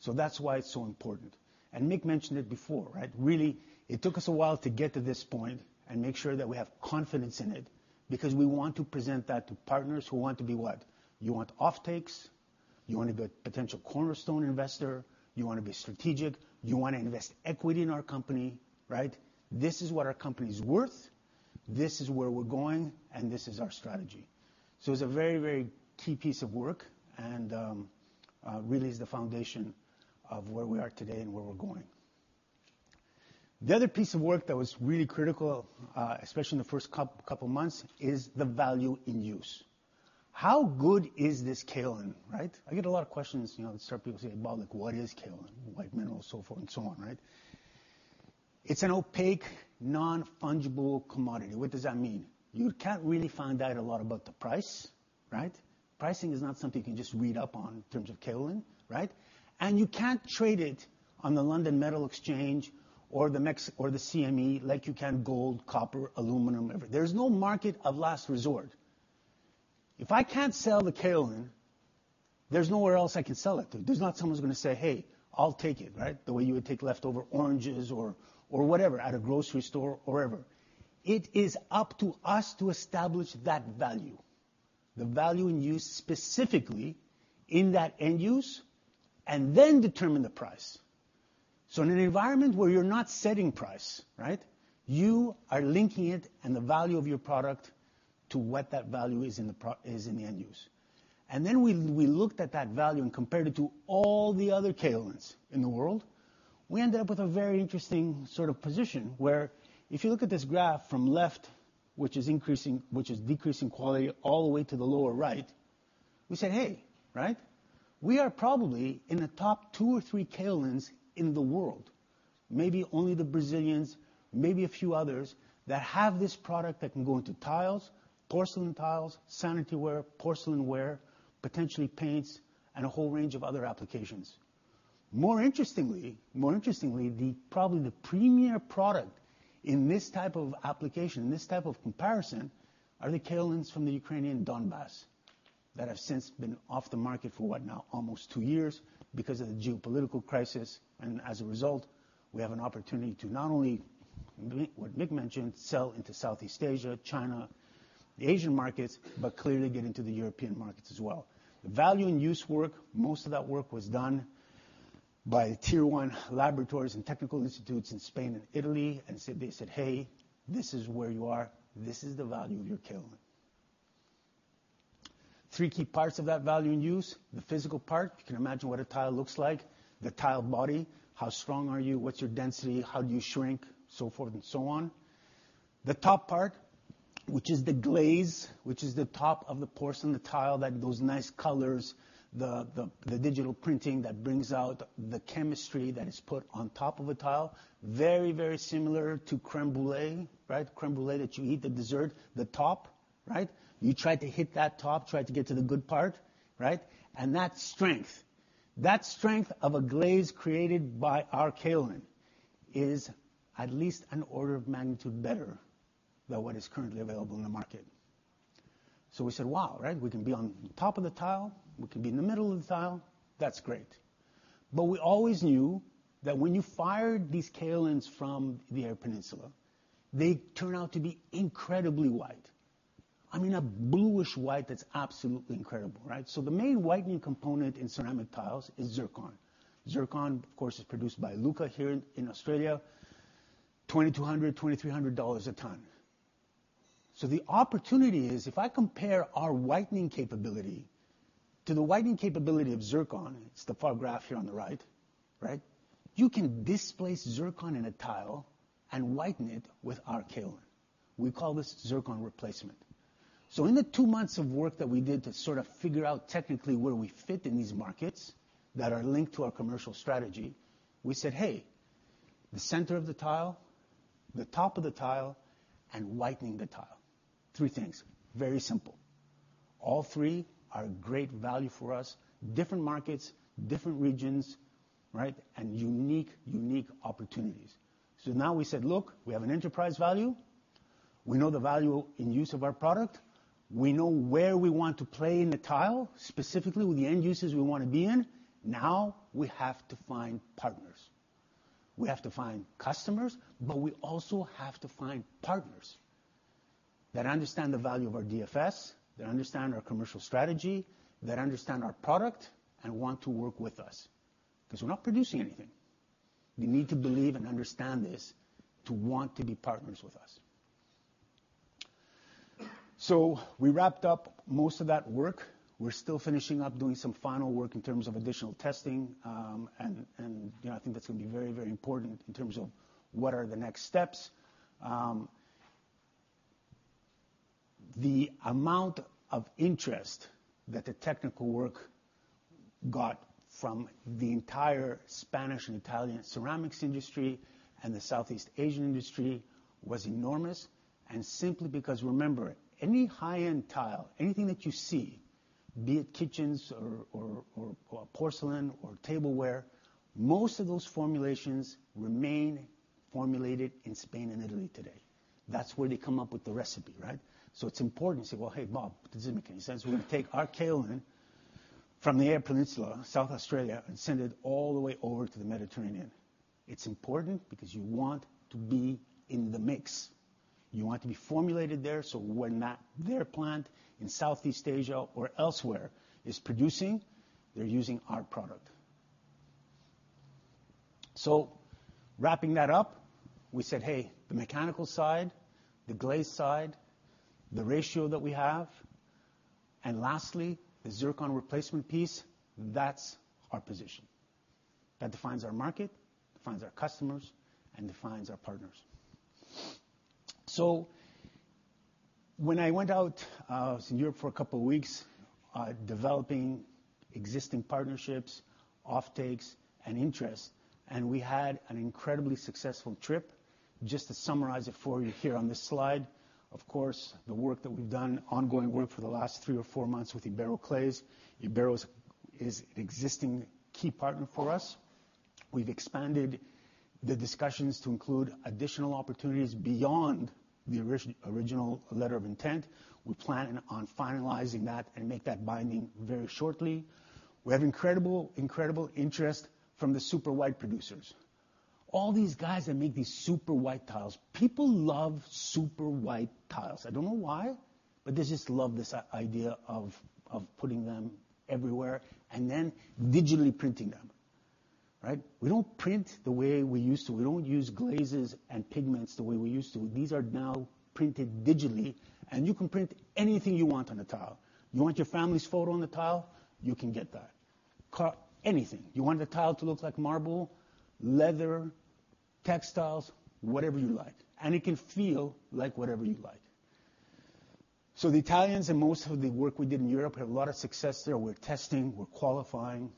That's why it's so important. And Mick mentioned it before, right? Really, it took us a while to get to this point and make sure that we have confidence in it, because we want to present that to partners who want to be what? You want offtakes, you want to be a potential cornerstone investor, you want to be strategic, you want to invest equity in our company, right? This is what our company is worth, this is where we're going, and this is our strategy. So it's a very, very key piece of work, and really is the foundation of where we are today and where we're going. The other piece of work that was really critical, especially in the first couple of months, is the value in use. How good is this kaolin, right? I get a lot of questions, you know, certain people say about, like, "What is kaolin?" White mineral, so forth and so on, right? It's an opaque, non-fungible commodity. What does that mean? You can't really find out a lot about the price, right? Pricing is not something you can just read up on in terms of kaolin, right? You can't trade it on the London Metal Exchange or the CME, like you can gold, copper, aluminum, whatever. There's no market of last resort. If I can't sell the kaolin, there's nowhere else I can sell it to. There's not someone who's gonna say, "Hey, I'll take it," right? The way you would take leftover oranges or, or whatever, at a grocery store or wherever. It is up to us to establish that value, the value in use, specifically in that end use, and then determine the price. In an environment where you're not setting price, right, you are linking it and the value of your product to what that value is in the end use. And then we, we looked at that value and compared it to all the other kaolins in the world. We ended up with a very interesting sort of position, where if you look at this graph from left, which is decreasing quality all the way to the lower right, we said, "Hey," right, "we are probably in the top two or three kaolins in the world." Maybe only the Brazilians, maybe a few others, that have this product that can go into tiles, porcelain tiles, sanitary ware, porcelain ware, potentially paints, and a whole range of other applications. More interestingly, more interestingly, the, probably the premier product in this type of application, in this type of comparison, are the kaolins from the Ukrainian Donbas, that have since been off the market for, what now? Almost two years because of the geopolitical crisis. As a result, we have an opportunity to not only what Mick mentioned sell into Southeast Asia, China, the Asian markets, but clearly get into the European markets as well. The value in use work, most of that work was done by tier one laboratories and technical institutes in Spain and Italy, and they said, "Hey, this is where you are. This is the value of your kaolin." Three key parts of that value in use: the physical part, you can imagine what a tile looks like. The tile body, how strong are you? What's your density? How do you shrink? So forth and so on. The top part, which is the glaze, which is the top of the porcelain, the tile, those nice colors, the digital printing that brings out the chemistry that is put on top of a tile. Very, very similar to crème brûlée, right? Crème brûlée, that you eat, the dessert, the top, right? You try to hit that top, try to get to the good part, right? And that strength, that strength of a glaze created by our kaolin is at least an order of magnitude better than what is currently available in the market. So we said, "Wow," right? "We can be on top of the tile, we can be in the middle of the tile. That's great." But we always knew that when you fired these kaolins from the Eyre Peninsula, they turn out to be incredibly white. I mean, a bluish white that's absolutely incredible, right? So the main whitening component in ceramic tiles is zircon. zircon, of course, is produced by Iluka here in Australia, $2,200-$2,300 a ton. So the opportunity is, if I compare our whitening capability to the whitening capability of zircon, it's the bar graph here on the right, right? You can displace zircon in a tile and whiten it with our kaolin. We call this zircon replacement. So in the two months of work that we did to sort of figure out technically where we fit in these markets that are linked to our commercial strategy, we said, "Hey, the center of the tile, the top of the tile, and whitening the tile." Three things, very simple. All three are great value for us. Different markets, different regions, right? And unique, unique opportunities. So now we said: Look, we have an enterprise value. We know the value in use of our product. We know where we want to play in the tile, specifically with the end users we want to be in. Now we have to find partners. We have to find customers, but we also have to find partners that understand the value of our DFS, that understand our commercial strategy, that understand our product and want to work with us. Because we're not producing anything. We need to believe and understand this to want to be partners with us. So we wrapped up most of that work. We're still finishing up doing some final work in terms of additional testing, and, you know, I think that's gonna be very, very important in terms of what are the next steps. The amount of interest that the technical work got from the entire Spanish and Italian ceramics industry and the Southeast Asian industry was enormous, and simply because, remember, any high-end tile, anything that you see, be it kitchens or porcelain or tableware, most of those formulations remain formulated in Spain and Italy today. That's where they come up with the recipe, right? So it's important to say, "Well, hey, Bob, the chemist, he says we're gonna take our kaolin from the Eyre Peninsula, South Australia, and send it all the way over to the Mediterranean." It's important because you want to be in the mix. You want to be formulated there, so when that their plant in Southeast Asia or elsewhere is producing, they're using our product. So wrapping that up, we said, hey, the mechanical side, the glaze side, the ratio that we have, and lastly, the zircon replacement piece, that's our position. That defines our market, defines our customers, and defines our partners. So when I went out, I was in Europe for a couple of weeks, developing existing partnerships, offtakes, and interest, and we had an incredibly successful trip. Just to summarize it for you here on this slide, of course, the work that we've done, ongoing work for the last three or four months with IberoClays. IberoClays is an existing key partner for us. We've expanded the discussions to include additional opportunities beyond the original letter of intent. We're planning on finalizing that and make that binding very shortly. We have incredible, incredible interest from the super white producers. All these guys that make these super white tiles, people love super white tiles. I don't know why, but they just love this idea of putting them everywhere and then digitally printing them, right? We don't print the way we used to. We don't use glazes and pigments the way we used to. These are now printed digitally, and you can print anything you want on a tile. You want your family's photo on the tile? You can get that. Anything. You want the tile to look like marble, leather, textiles, whatever you like, and it can feel like whatever you like. So the Italians and most of the work we did in Europe have a lot of success there. We're testing, we're qualifying.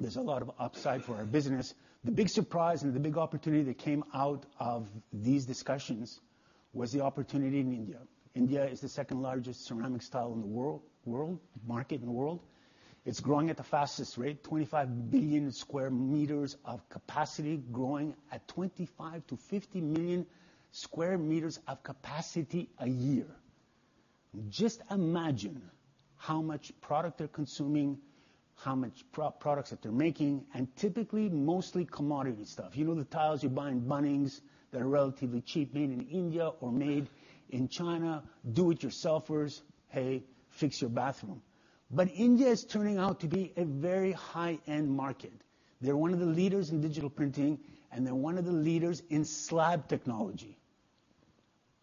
There's a lot of upside for our business. The big surprise and the big opportunity that came out of these discussions was the opportunity in India. India is the second-largest ceramic tile market in the world. It's growing at the fastest rate, 25 billion square meters of capacity, growing at 25-50 million square meters of capacity a year. Just imagine how much product they're consuming, how much products that they're making, and typically mostly commodity stuff. You know, the tiles you buy in Bunnings that are relatively cheap, made in India or made in China, do-it-yourselfers, hey, fix your bathroom. But India is turning out to be a very high-end market. They're one of the leaders in digital printing, and they're one of the leaders in slab technology.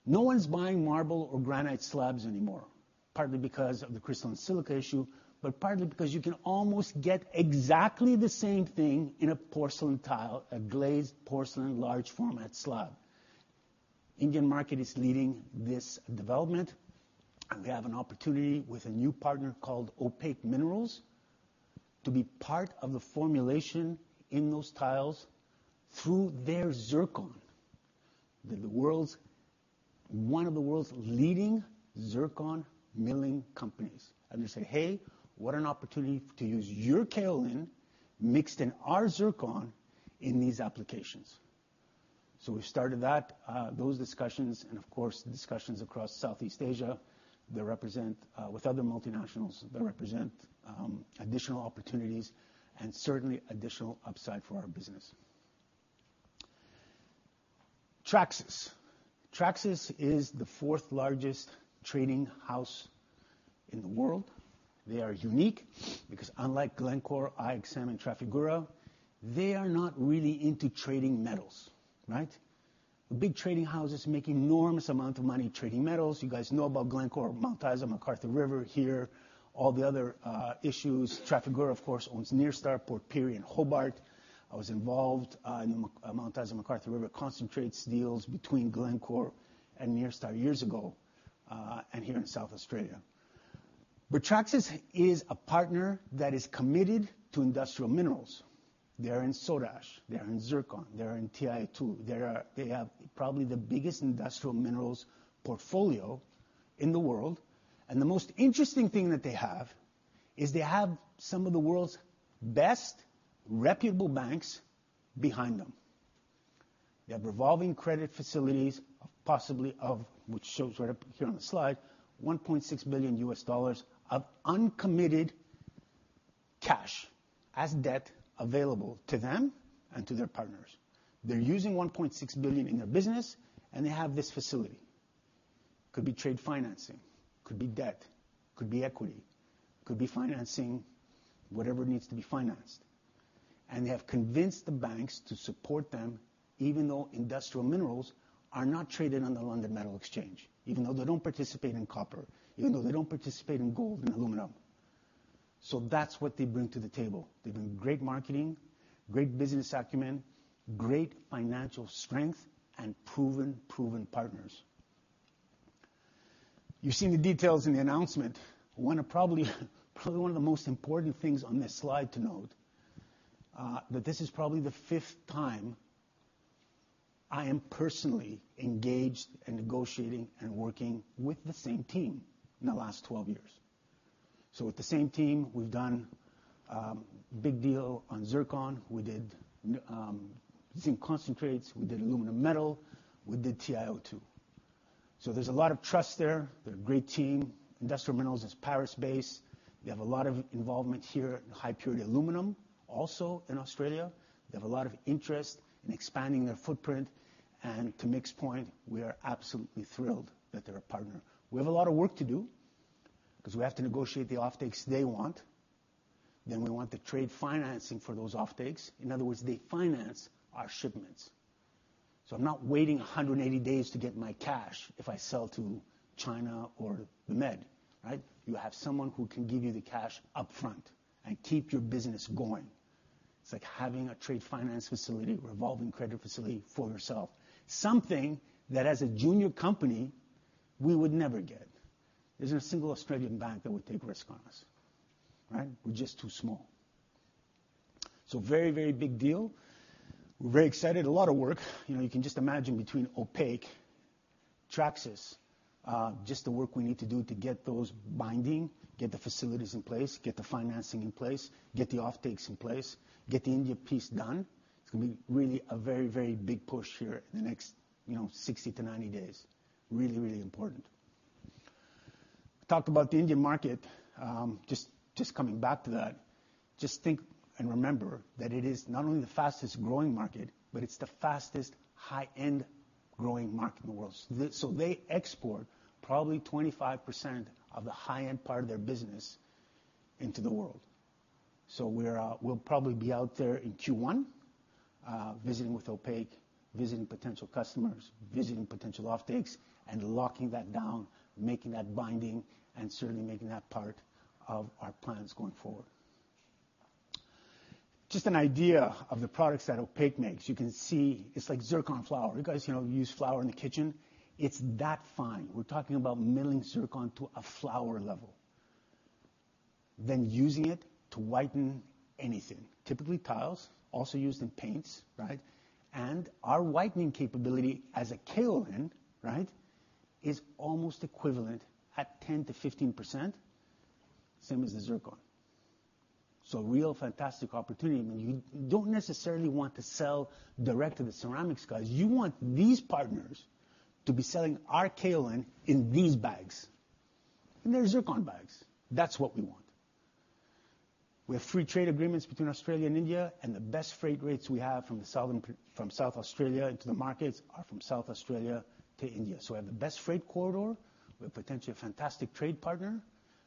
No one's buying marble or granite slabs anymore, partly because of the crystalline silica issue, but partly because you can almost get exactly the same thing in a porcelain tile, a glazed porcelain, large format slab. Indian market is leading this development, and we have an opportunity with a new partner called Opaque Ceramics, to be part of the formulation in those tiles through their zircon. They're one of the world's leading zircon milling companies. And they say, "Hey, what an opportunity to use your kaolin mixed in our zircon in these applications." So we started that, those discussions and, of course, discussions across Southeast Asia that represent, with other multinationals, that represent, additional opportunities and certainly additional upside for our business. Traxys. Traxys is the fourth largest trading house in the world. They are unique because unlike Glencore, IXM, and Trafigura, they are not really into trading metals, right? Big trading houses make enormous amount of money trading metals. You guys know about Glencore, Mt Isa, McArthur River here, all the other, issues. Trafigura, of course, owns Nyrstar, Port Pirie, and Hobart. I was involved in the Mt Isa, McArthur River concentrates deals between Glencore and Nyrstar years ago, and here in South Australia. But Traxys is a partner that is committed to industrial minerals. They are in soda ash, they are in zircon, they are in TiO₂. They have probably the biggest industrial minerals portfolio in the world, and the most interesting thing that they have is they have some of the world's best reputable banks behind them. They have revolving credit facilities, possibly of, which shows right up here on the slide, $1.6 billion of uncommitted cash as debt available to them and to their partners. They're using $1.6 billion in their business, and they have this facility. Could be trade financing, could be debt, could be equity, could be financing, whatever needs to be financed. They have convinced the banks to support them, even though industrial minerals are not traded on the London Metal Exchange, even though they don't participate in copper, even though they don't participate in gold and aluminum.... That's what they bring to the table. They bring great marketing, great business acumen, great financial strength, and proven, proven partners. You've seen the details in the announcement. One of probably, probably one of the most important things on this slide to note, that this is probably the fifth time I am personally engaged in negotiating and working with the same team in the last 12 years. So with the same team, we've done, big deal on zircon, we did, zinc concentrates, we did aluminum metal, we did TiO₂. So there's a lot of trust there. They're a great team. Industrial Minerals is Paris-based. They have a lot of involvement here in high-purity aluminum, also in Australia. They have a lot of interest in expanding their footprint, and to Mick's point, we are absolutely thrilled that they're a partner. We have a lot of work to do because we have to negotiate the offtakes they want. Then we want the trade financing for those offtakes. In other words, they finance our shipments. So I'm not waiting 180 days to get my cash if I sell to China or the Med, right? You have someone who can give you the cash upfront and keep your business going. It's like having a trade finance facility, revolving credit facility for yourself. Something that, as a junior company, we would never get. There isn't a single Australian bank that would take risk on us, right? We're just too small. So very, very big deal. We're very excited. A lot of work. You know, you can just imagine between Opaque, Traxys, just the work we need to do to get those binding, get the facilities in place, get the financing in place, get the offtakes in place, get the India piece done. It's gonna be really a very, very big push here in the next, you know, 60-90 days. Really, really important. Talked about the Indian market. Just, just coming back to that, just think and remember that it is not only the fastest-growing market, but it's the fastest high-end growing market in the world. So they export probably 25% of the high-end part of their business into the world. So we're, we'll probably be out there in Q1, visiting with Opaque, visiting potential customers, visiting potential offtakes, and locking that down, making that binding, and certainly making that part of our plans going forward. Just an idea of the products that Opaque makes. You can see it's like zircon flour. You guys, you know, use flour in the kitchen? It's that fine. We're talking about milling zircon to a flour level, then using it to whiten anything. Typically, tiles, also used in paints, right? And our whitening capability as a kaolin, right, is almost equivalent at 10%-15%, same as the zircon. So real fantastic opportunity. I mean, you don't necessarily want to sell direct to the ceramics guys. You want these partners to be selling our kaolin in these bags, in their zircon bags. That's what we want. We have free trade agreements between Australia and India, and the best freight rates we have from South Australia into the markets are from South Australia to India. So we have the best freight corridor, we have potentially a fantastic trade partner,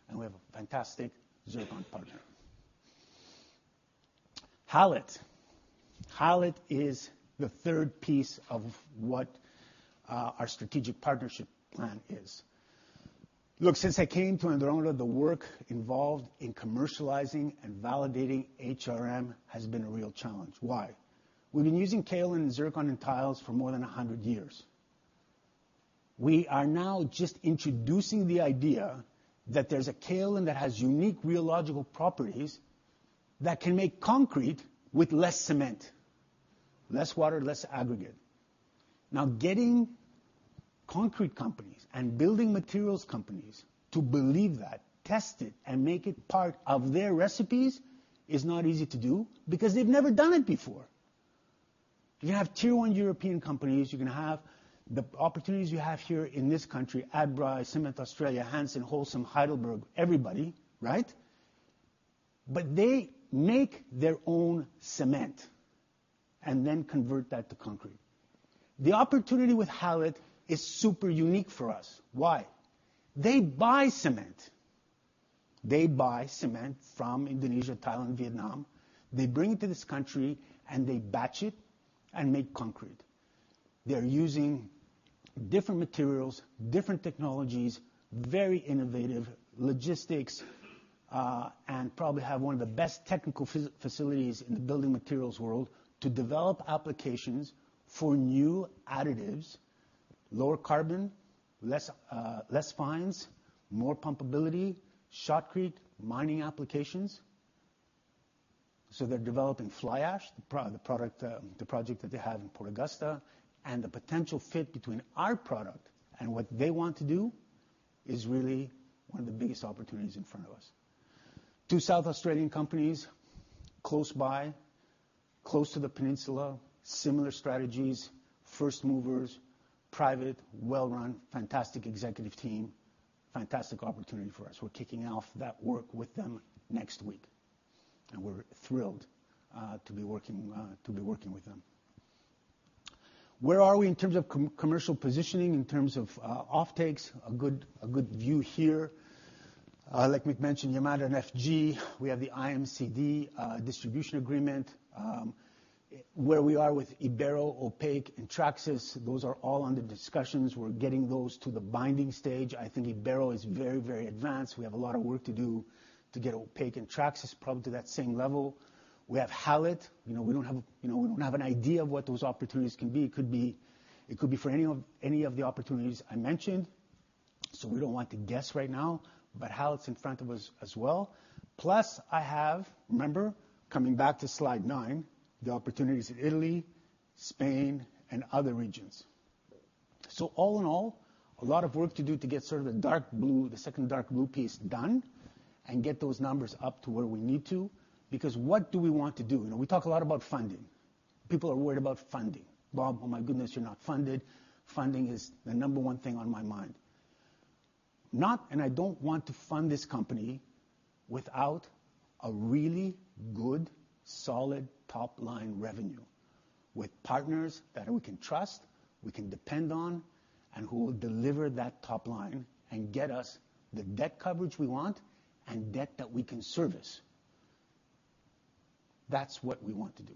and we have a fantastic zircon partner. Hallett. Hallett is the third piece of what our strategic partnership plan is. Look, since I came to Andromeda, the work involved in commercializing and validating HRM has been a real challenge. Why? We've been using kaolin and zircon in tiles for more than 100 years. We are now just introducing the idea that there's a kaolin that has unique rheological properties that can make concrete with less cement, less water, less aggregate. Now, getting concrete companies and building materials companies to believe that, test it, and make it part of their recipes is not easy to do because they've never done it before. You can have tier one European companies, you can have the opportunities you have here in this country, Adbri, Cement Australia, Hanson, Holcim, Heidelberg, everybody, right? But they make their own cement and then convert that to concrete. The opportunity with Hallett is super unique for us. Why? They buy cement. They buy cement from Indonesia, Thailand, Vietnam. They bring it to this country, and they batch it and make concrete. They're using different materials, different technologies, very innovative logistics, and probably have one of the best technical facilities in the building materials world to develop applications for new additives, lower carbon, less fines, more pumpability, shotcrete, mining applications. So they're developing fly ash, the product, the project that they have in Port Augusta, and the potential fit between our product and what they want to do is really one of the biggest opportunities in front of us. Two South Australian companies, close by, close to the peninsula, similar strategies, first movers, private, well-run, fantastic executive team, fantastic opportunity for us. We're kicking off that work with them next week, and we're thrilled to be working with them. Where are we in terms of commercial positioning, in terms of offtakes? A good view here. Like Mick mentioned, Yamada and FG, we have the IMCD distribution agreement. Where we are with Ibero, Opaque, and Traxys, those are all under discussions. We're getting those to the binding stage. I think Ibero is very, very advanced. We have a lot of work to do to get Opaque and Traxys probably to that same level. We have Hallett. You know, we don't have, you know, we don't have an idea of what those opportunities can be. It could be, it could be for any of, any of the opportunities I mentioned, so we don't want to guess right now, but Hallett's in front of us as well. Plus, I have, remember, coming back to slide nine, the opportunities in Italy, Spain, and other regions. All in all, a lot of work to do to get sort of the dark blue, the second dark blue piece done and get those numbers up to where we need to, because what do we want to do? You know, we talk a lot about funding. People are worried about funding. "Bob, oh, my goodness, you're not funded." Funding is the number one thing on my mind. Not, and I don't want to fund this company without a really good, solid top-line revenue with partners that we can trust, we can depend on, and who will deliver that top line and get us the debt coverage we want and debt that we can service. That's what we want to do.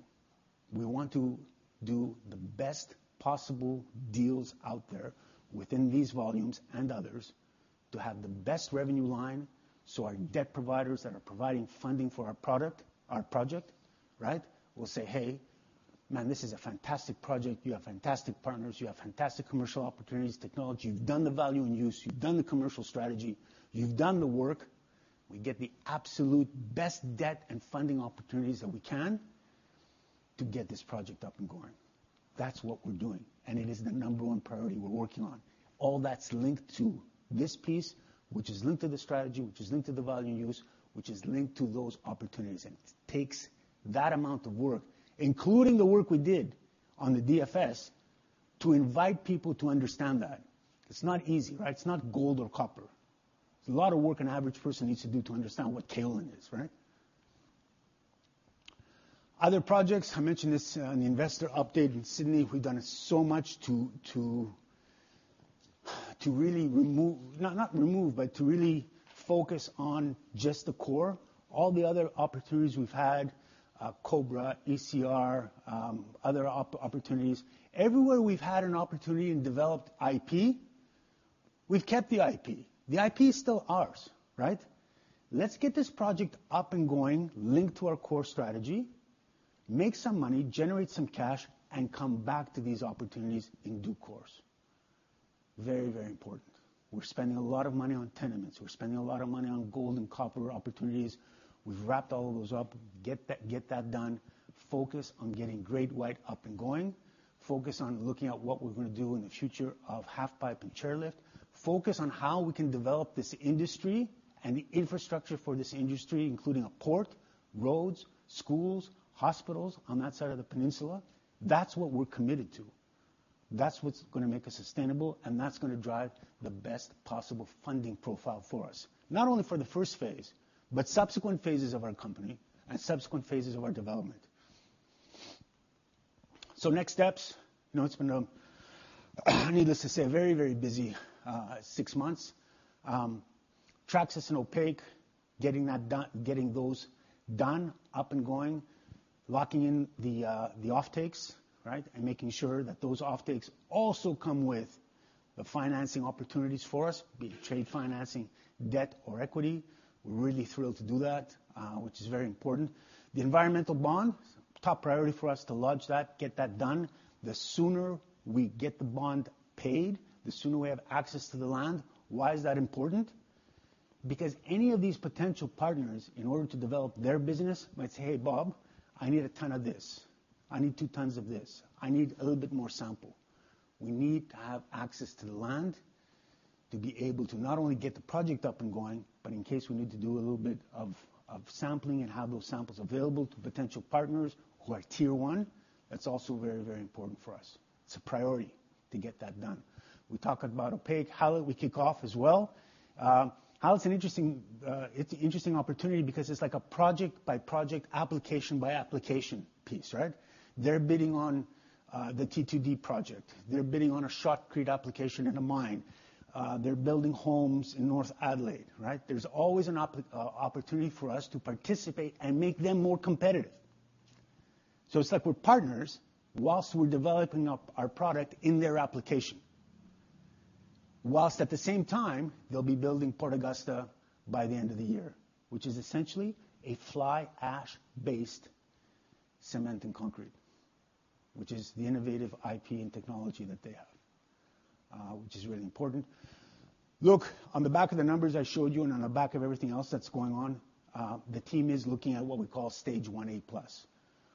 We want to do the best possible deals out there within these volumes and others to have the best revenue line, so our debt providers that are providing funding for our product, our project, right? will say, "Hey, man, this is a fantastic project. You have fantastic partners. You have fantastic commercial opportunities, technology. You've done the value and use, you've done the commercial strategy, you've done the work." We get the absolute best debt and funding opportunities that we can to get this project up and going. That's what we're doing, and it is the number one priority we're working on. All that's linked to this piece, which is linked to the strategy, which is linked to the value use, which is linked to those opportunities, and it takes that amount of work, including the work we did on the DFS, to invite people to understand that. It's not easy, right? It's not gold or copper. It's a lot of work an average person needs to do to understand what kaolin is, right? Other projects, I mentioned this on the investor update in Sydney. We've done so much to really remove... Not, not remove, but to really focus on just the core. All the other opportunities we've had, Cobra, ECR, other opportunities. Everywhere we've had an opportunity and developed IP, we've kept the IP. The IP is still ours, right? Let's get this project up and going, linked to our core strategy, make some money, generate some cash, and come back to these opportunities in due course. Very, very important. We're spending a lot of money on tenements. We're spending a lot of money on gold and copper opportunities. We've wrapped all of those up. Get that, get that done. Focus on getting Great White up and going. Focus on looking at what we're gonna do in the future of Halfpipe and Chairlift. Focus on how we can develop this industry and the infrastructure for this industry, including a port, roads, schools, hospitals on that side of the peninsula. That's what we're committed to. That's what's gonna make us sustainable, and that's gonna drive the best possible funding profile for us, not only for the first phase, but subsequent phases of our company and subsequent phases of our development. So next steps, you know, it's been, needless to say, a very, very busy six months. Traxys and Opaque, getting that done, getting those done, up and going, locking in the offtakes, right? And making sure that those offtakes also come with the financing opportunities for us, be it trade financing, debt, or equity. We're really thrilled to do that, which is very important. The environmental bond, top priority for us to lodge that, get that done. The sooner we get the bond paid, the sooner we have access to the land. Why is that important? Because any of these potential partners, in order to develop their business, might say, "Hey, Bob, I need a ton of this. I need two tons of this. I need a little bit more sample." We need to have access to the land to be able to not only get the project up and going, but in case we need to do a little bit of sampling and have those samples available to potential partners who are tier one, that's also very, very important for us. It's a priority to get that done. We talked about Opaque. Hallett, we kick off as well. Hallett's an interesting. It's an interesting opportunity because it's like a project-by-project, application-by-application piece, right? They're bidding on the T2D project. They're bidding on a shotcrete application in a mine. They're building homes in North Adelaide, right? There's always an opportunity for us to participate and make them more competitive. So it's like we're partners whilst we're developing up our product in their application. Whilst at the same time, they'll be building Port Augusta by the end of the year, which is essentially a fly ash-based cement and concrete, which is the innovative IP and technology that they have, which is really important. Look, on the back of the numbers I showed you and on the back of everything else that's going on, the team is looking at what we call Stage One A plus.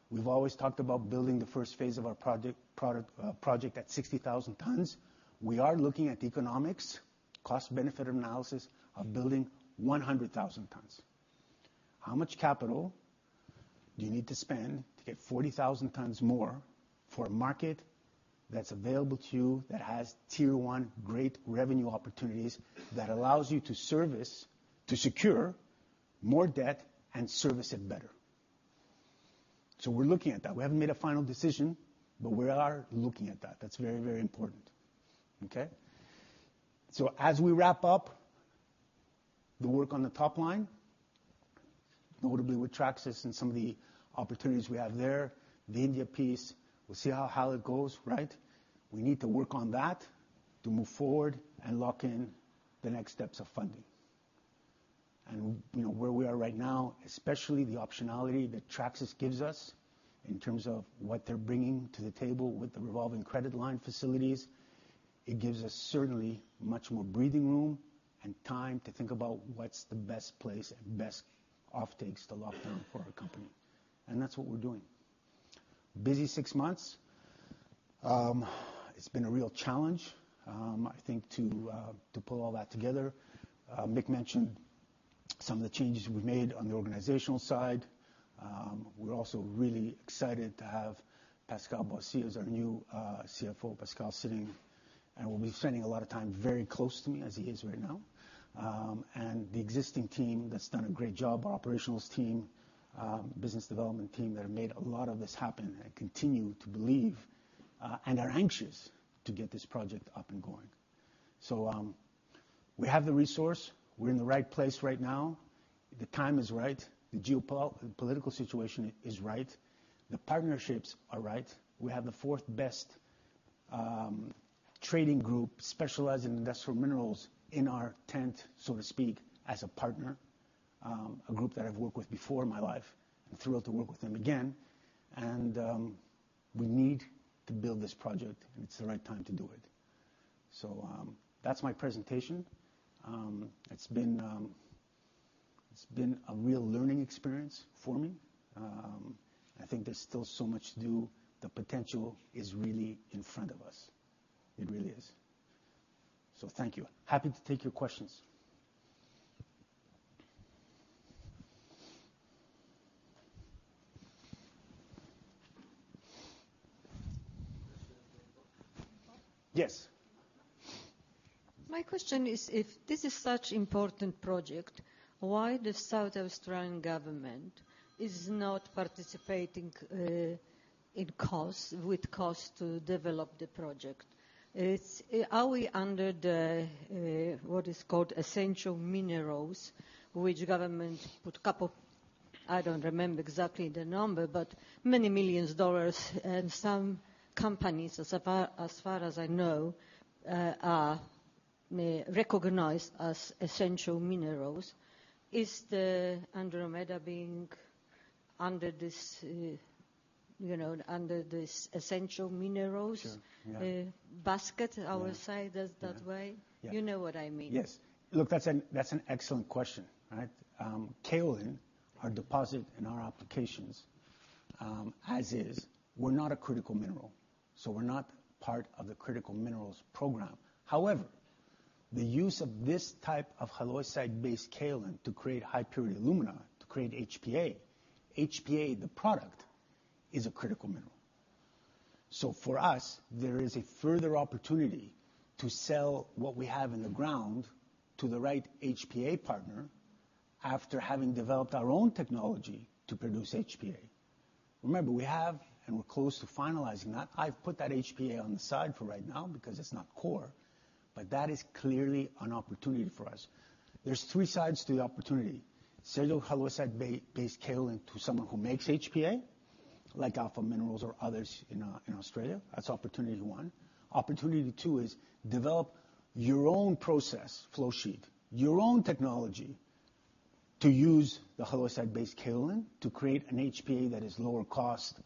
We've always talked about building the first phase of our project, product, project at 60,000 tons. We are looking at the economics, cost-benefit analysis of building 100,000 tons. How much capital do you need to spend to get 40,000 tons more for a market that's available to you, that has tier one great revenue opportunities, that allows you to service, to secure more debt and service it better?... So we're looking at that. We haven't made a final decision, but we are looking at that. That's very, very important, okay? So as we wrap up the work on the top line, notably with Traxys and some of the opportunities we have there, the India piece, we'll see how it goes, right? We need to work on that to move forward and lock in the next steps of funding. You know, where we are right now, especially the optionality that Traxys gives us in terms of what they're bringing to the table with the revolving credit line facilities, it gives us certainly much more breathing room and time to think about what's the best place and best offtakes to lock down for our company. And that's what we're doing. Busy six months. It's been a real challenge, I think, to pull all that together. Mick mentioned some of the changes we've made on the organizational side. We're also really excited to have Pascal Bossier as our new CFO. Pascal is sitting and will be spending a lot of time very close to me, as he is right now. And the existing team that's done a great job, our operations team, business development team, that have made a lot of this happen and continue to believe, and are anxious to get this project up and going. So, we have the resource. We're in the right place right now. The time is right. The geopolitical situation is right. The partnerships are right. We have the fourth best trading group specializing in industrial minerals in our tent, so to speak, as a partner. A group that I've worked with before in my life. I'm thrilled to work with them again, and we need to build this project, and it's the right time to do it. So, that's my presentation. It's been, it's been a real learning experience for me. I think there's still so much to do. The potential is really in front of us. It really is. So thank you. Happy to take your questions. Yes? My question is, if this is such important project, why the South Australian Government is not participating, in cost, with cost to develop the project? It's— Are we under the, what is called essential minerals, which government put a couple of... I don't remember exactly the number, but many millions AUD, and some companies, as far, as far as I know, are recognized as essential minerals. Is the Andromeda being under this, you know, under this essential minerals- Sure, yeah. basket, I would say it that way? Yeah. You know what I mean. Yes. Look, that's an, that's an excellent question, right? Kaolin, our deposit and our applications, as is, we're not a critical mineral, so we're not part of the critical minerals program. However, the use of this type of halloysite-based kaolin to create high-purity alumina, to create HPA, HPA, the product, is a critical mineral. So for us, there is a further opportunity to sell what we have in the ground to the right HPA partner after having developed our own technology to produce HPA. Remember, we have and we're close to finalizing that. I've put that HPA on the side for right now because it's not core, but that is clearly an opportunity for us. There's three sides to the opportunity: sell your halloysite-based kaolin to someone who makes HPA, like Alpha Minerals or others in, in Australia. That's opportunity one. Opportunity two is develop your own process, flow sheet, your own technology, to use the halloysite-based kaolin to create an HPA that is lower cost,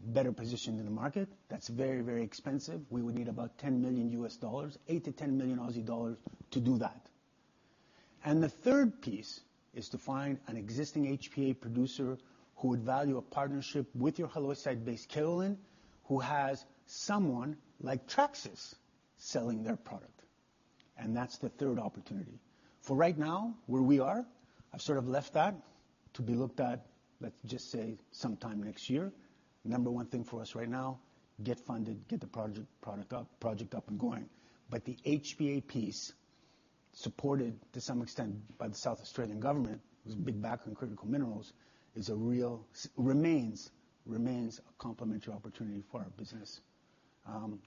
better positioned in the market. That's very, very expensive. We would need about $10 million, 8 million-10 million Aussie dollars to do that. And the third piece is to find an existing HPA producer who would value a partnership with your halloysite-based kaolin, who has someone like Traxys selling their product, and that's the third opportunity. For right now, where we are, I've sort of left that to be looked at, let's just say, sometime next year. Number one thing for us right now, get funded, get the project, product up, project up and going. But the HPA piece, supported to some extent by the South Australian Government, who's a big backer on critical minerals, is a real, remains, remains a complementary opportunity for our business.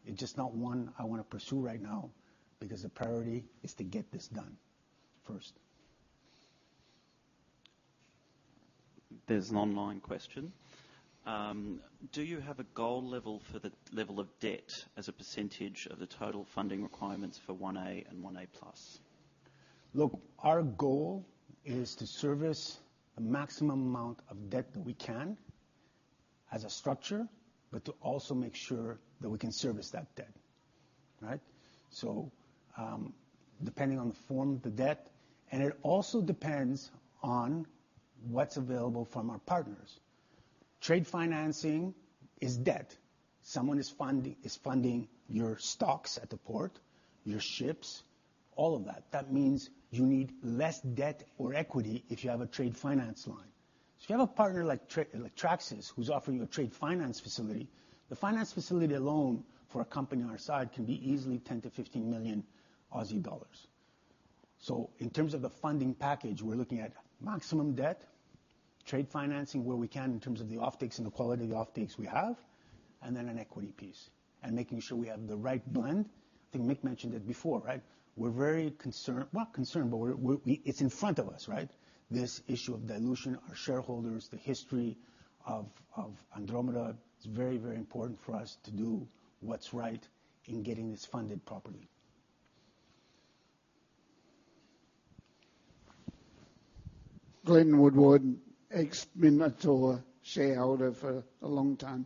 It's just not one I want to pursue right now because the priority is to get this done first. There's an online question. Do you have a goal level for the level of debt as a percentage of the total funding requirements for 1A and 1A plus? Look, our goal is to service the maximum amount of debt that we can as a structure, but to also make sure that we can service that debt, right? So, depending on the form of the debt, and it also depends on what's available from our partners. Trade financing is debt. Someone is funding, is funding your stocks at the port, your ships, all of that. That means you need less debt or equity if you have a trade finance line. So if you have a partner like Tra- like Traxys, who's offering you a trade finance facility, the finance facility alone for a company our size can be easily 10-15 million Aussie dollars.... So in terms of the funding package, we're looking at maximum debt, trade financing, where we can, in terms of the offtakes and the quality of the offtakes we have, and then an equity piece, and making sure we have the right blend. I think Mick mentioned it before, right? We're very concerned, well, concerned, but we're, it's in front of us, right? This issue of dilution, our shareholders, the history of, of Andromeda. It's very, very important for us to do what's right in getting this funded properly. Glenn Woodward, ex Minotaur shareholder for a long time.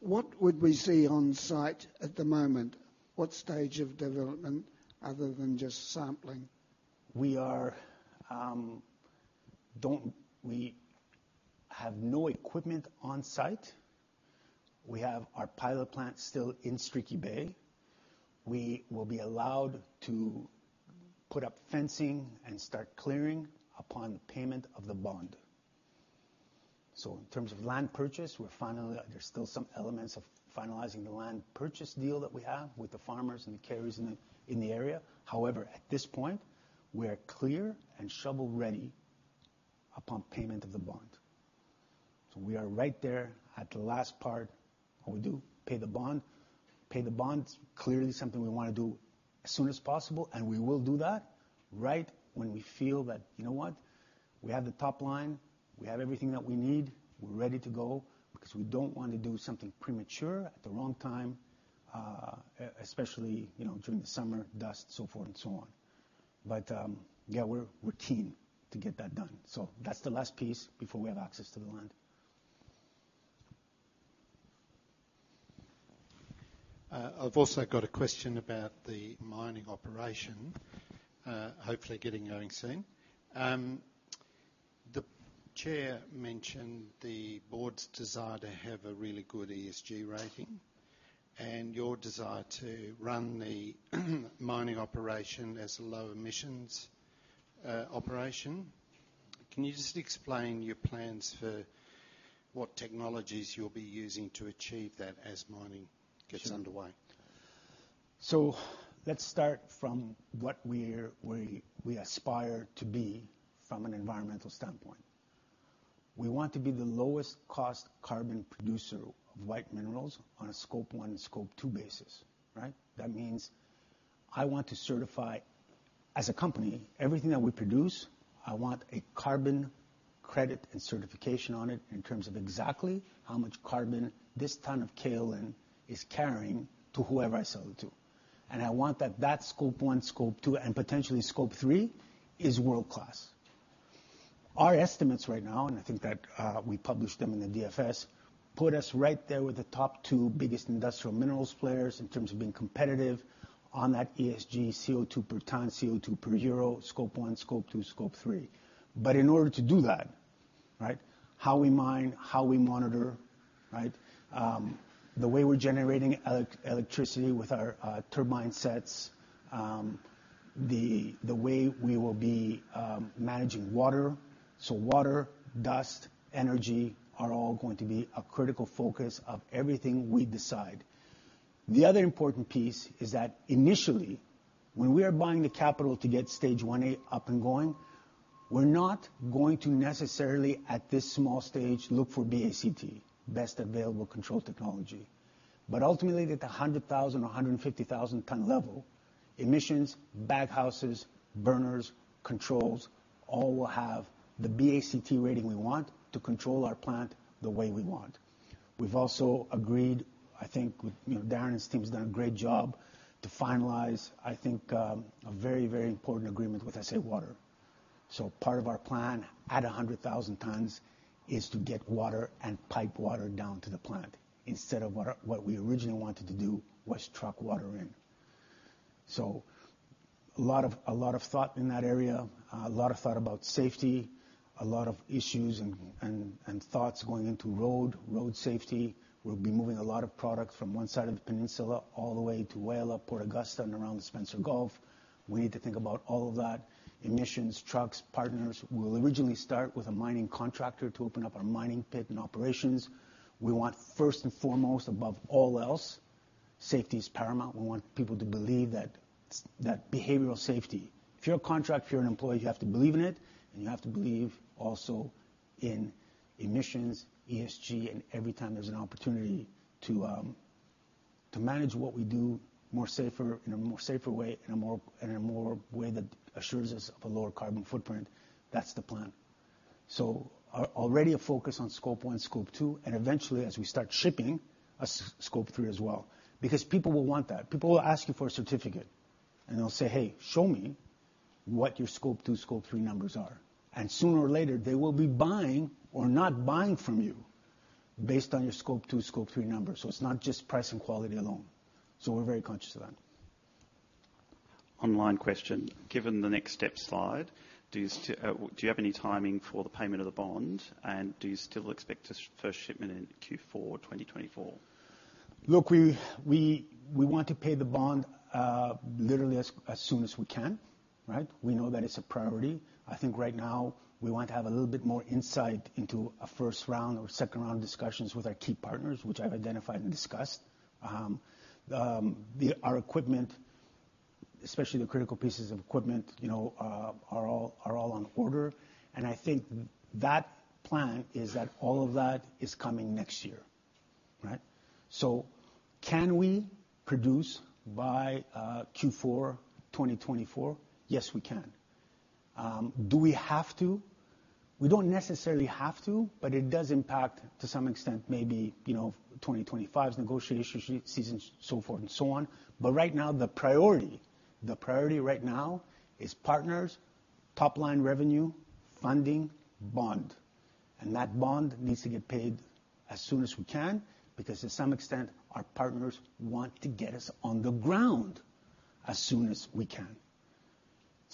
What would we see on site at the moment? What stage of development other than just sampling? We are. We have no equipment on site. We have our pilot plant still in Streaky Bay. We will be allowed to put up fencing and start clearing upon payment of the bond. So in terms of land purchase, we're finally. There's still some elements of finalizing the land purchase deal that we have with the farmers and the carriers in the area. However, at this point, we are clear and shovel-ready upon payment of the bond. So we are right there at the last part, and we do pay the bond. Pay the bond, clearly something we want to do as soon as possible, and we will do that right when we feel that, you know what? We have the top line, we have everything that we need. We're ready to go because we don't want to do something premature at the wrong time, especially, you know, during the summer, dust, so forth and so on. But, yeah, we're keen to get that done. So that's the last piece before we have access to the land. I've also got a question about the mining operation, hopefully getting going soon. The chair mentioned the board's desire to have a really good ESG rating and your desire to run the mining operation as a low emissions operation. Can you just explain your plans for what technologies you'll be using to achieve that as mining gets underway? So let's start from what we aspire to be from an environmental standpoint. We want to be the lowest cost carbon producer of white minerals on a Scope One and Scope Two basis, right? That means I want to certify, as a company, everything that we produce, I want a carbon credit and certification on it in terms of exactly how much carbon this ton of kaolin is carrying to whoever I sell it to. And I want that, that Scope One, Scope Two, and potentially Scope Three is world-class. Our estimates right now, and I think that we published them in the DFS, put us right there with the top two biggest industrial minerals players in terms of being competitive on that ESG, CO₂ per ton, CO₂ per euro, Scope 1, Scope 2, Scope 3. But in order to do that, right? How we mine, how we monitor, right? The way we're generating electricity with our turbine sets, the way we will be managing water. So water, dust, energy are all going to be a critical focus of everything we decide. The other important piece is that initially, when we are buying the capital to get stage one A up and going, we're not going to necessarily, at this small stage, look for BACT, Best Available Control Technology. But ultimately, at the 100,000 or 150,000 ton level, emissions, baghouses, burners, controls, all will have the BACT rating we want to control our plant the way we want. We've also agreed, I think with... You know, Darren and his team has done a great job to finalize, I think, a very, very important agreement with SA Water. So part of our plan at 100,000 tons is to get water and pipe water down to the plant, instead of what we originally wanted to do, was truck water in. So a lot of, a lot of thought in that area, a lot of thought about safety, a lot of issues and thoughts going into road safety. We'll be moving a lot of product from one side of the peninsula all the way to Whyalla, Port Augusta, and around the Spencer Gulf. We need to think about all of that. Emissions, trucks, partners. We'll originally start with a mining contractor to open up our mining pit and operations. We want, first and foremost, above all else, safety is paramount. We want people to believe that, that behavioral safety. If you're a contractor, if you're an employee, you have to believe in it, and you have to believe also in emissions, ESG, and every time there's an opportunity to manage what we do more safer, in a more safer way, in a more way that assures us of a lower carbon footprint. That's the plan. So already a focus on Scope One, Scope Two, and eventually, as we start shipping, a Scope Three as well, because people will want that. People will ask you for a certificate, and they'll say, "Hey, show me what your Scope Two, Scope Three numbers are." And sooner or later, they will be buying or not buying from you based on your Scope Two, Scope Three numbers. It's not just price and quality alone. We're very conscious of that. Online question: Given the next step slide, do you have any timing for the payment of the bond, and do you still expect a first shipment in Q4 2024? Look, we want to pay the bond literally as soon as we can, right? We know that it's a priority. I think right now, we want to have a little bit more insight into a first round or second-round discussions with our key partners, which I've identified and discussed. Our equipment—especially the critical pieces of equipment, you know, are all on order. And I think that plan is that all of that is coming next year, right? So can we produce by Q4 2024? Yes, we can. Do we have to? We don't necessarily have to, but it does impact, to some extent, maybe, you know, 2025's negotiation season, so forth and so on. But right now, the priority, the priority right now is partners, top-line revenue, funding, bond. That bond needs to get paid as soon as we can because to some extent, our partners want to get us on the ground as soon as we can.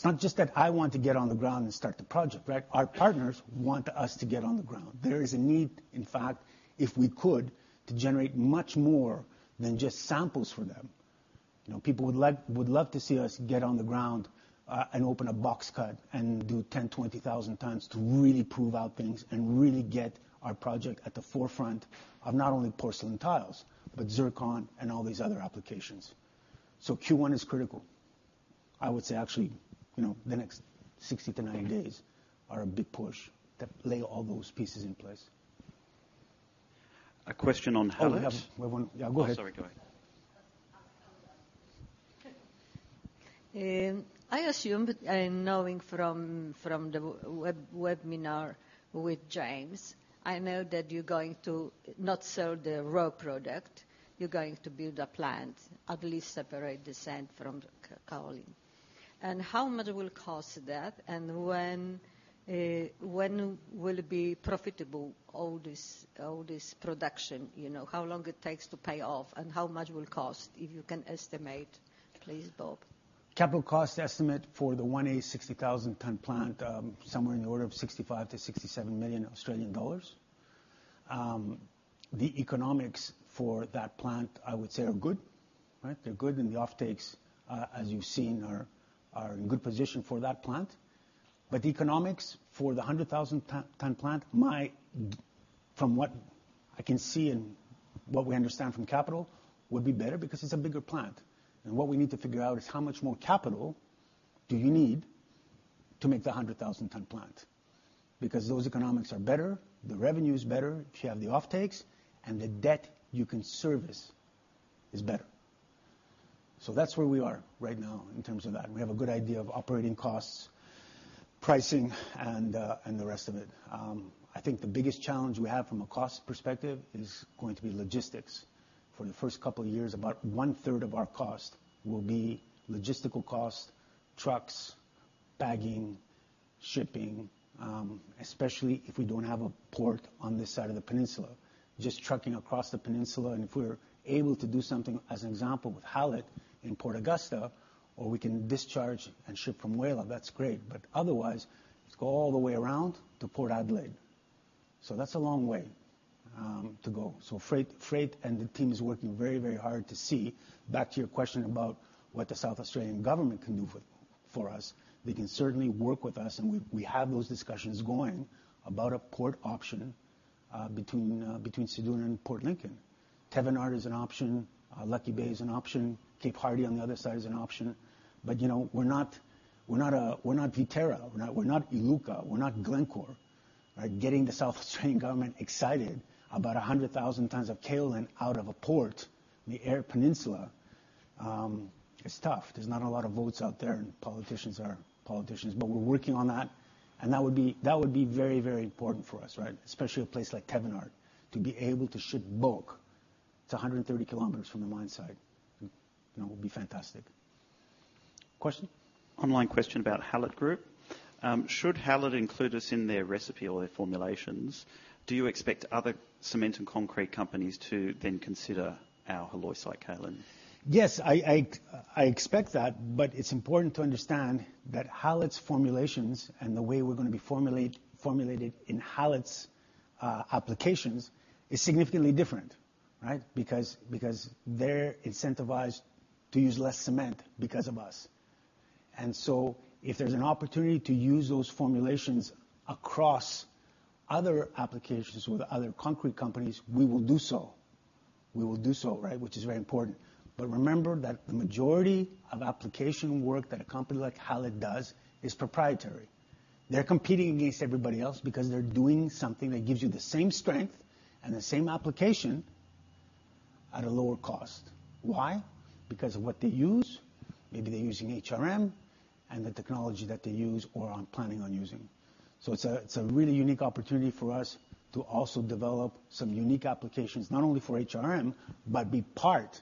It's not just that I want to get on the ground and start the project, right? Our partners want us to get on the ground. There is a need, in fact, if we could, to generate much more than just samples for them. You know, people would like, would love to see us get on the ground, and open a box cut and do 10-20,000 tons to really prove out things and really get our project at the forefront of not only porcelain tiles, but zircon and all these other applications. Q1 is critical. I would say actually, you know, the next 60-90 days are a big push to lay all those pieces in place. A question on Hallett. Oh, we have one... Yeah, go ahead. Oh, sorry. Go ahead. I assume, and knowing from the webinar with James, I know that you're going to not sell the raw product, you're going to build a plant, at least separate the sand from kaolin. And how much will cost that, and when, when will it be profitable, all this, all this production? You know, how long it takes to pay off and how much will it cost, if you can estimate, please, Bob. Capital cost estimate for the 180,000 ton plant, somewhere in the order of 65-67 million Australian dollars. The economics for that plant, I would say, are good, right? They're good, and the offtakes, as you've seen, are in good position for that plant. But the economics for the 100,000 ton plant, from what I can see and what we understand from capital, would be better because it's a bigger plant. And what we need to figure out is how much more capital do you need to make the 100,000 ton plant? Because those economics are better, the revenue is better, if you have the offtakes, and the debt you can service is better. So that's where we are right now in terms of that. We have a good idea of operating costs, pricing, and and the rest of it. I think the biggest challenge we have from a cost perspective is going to be logistics. For the first couple of years, about one-third of our cost will be logistical cost, trucks, bagging, shipping, especially if we don't have a port on this side of the peninsula. Just trucking across the peninsula, and if we're able to do something, as an example, with Hallett in Port Augusta, or we can discharge and ship from Whyalla, that's great. But otherwise, let's go all the way around to Port Adelaide. So that's a long way to go. So freight, freight and the team is working very, very hard to see. Back to your question about what the South Australian Government can do for, for us. They can certainly work with us, and we, we have those discussions going about a port option between Ceduna and Port Lincoln. Thevenard is an option, Lucky Bay is an option, Cape Hardy on the other side is an option. But, you know, we're not, we're not a—we're not Viterra, we're not Iluka, we're not Glencore. Right? Getting the South Australian Government excited about 100,000 tons of kaolin out of a port in the Eyre Peninsula is tough. There's not a lot of votes out there, and politicians are politicians. But we're working on that, and that would be, that would be very, very important for us, right? Especially a place like Thevenard, to be able to ship bulk. It's 130 kilometers from the mine site. You know, it would be fantastic. Question? Online question about Hallett Group. Should Hallett include us in their recipe or their formulations, do you expect other cement and concrete companies to then consider our halloysite kaolin? Yes, I expect that, but it's important to understand that Hallett's formulations and the way we're going to be formulated in Hallett's applications is significantly different, right? Because they're incentivized to use less cement because of us. And so if there's an opportunity to use those formulations across other applications with other concrete companies, we will do so. We will do so, right? Which is very important. But remember that the majority of application work that a company like Hallett does is proprietary. They're competing against everybody else because they're doing something that gives you the same strength and the same application at a lower cost. Why? Because of what they use. Maybe they're using HRM and the technology that they use or are planning on using. So it's a really unique opportunity for us to also develop some unique applications, not only for HRM, but be part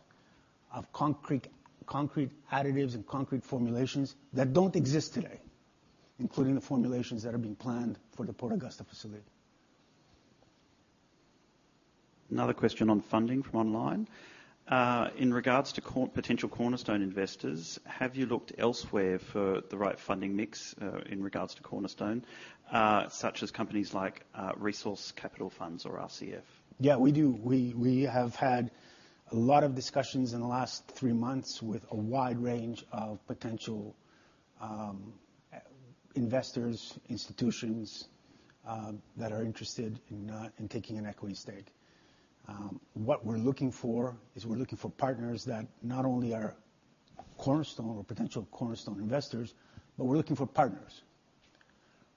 of concrete, concrete additives and concrete formulations that don't exist today, including the formulations that are being planned for the Port Augusta facility. Another question on funding from online. In regards to potential cornerstone investors, have you looked elsewhere for the right funding mix, in regards to Cornerstone, such as companies like, Resource Capital Funds or RCF? Yeah, we do. We have had a lot of discussions in the last three months with a wide range of potential investors, institutions that are interested in taking an equity stake. What we're looking for is we're looking for partners that not only are cornerstone or potential cornerstone investors, but we're looking for partners,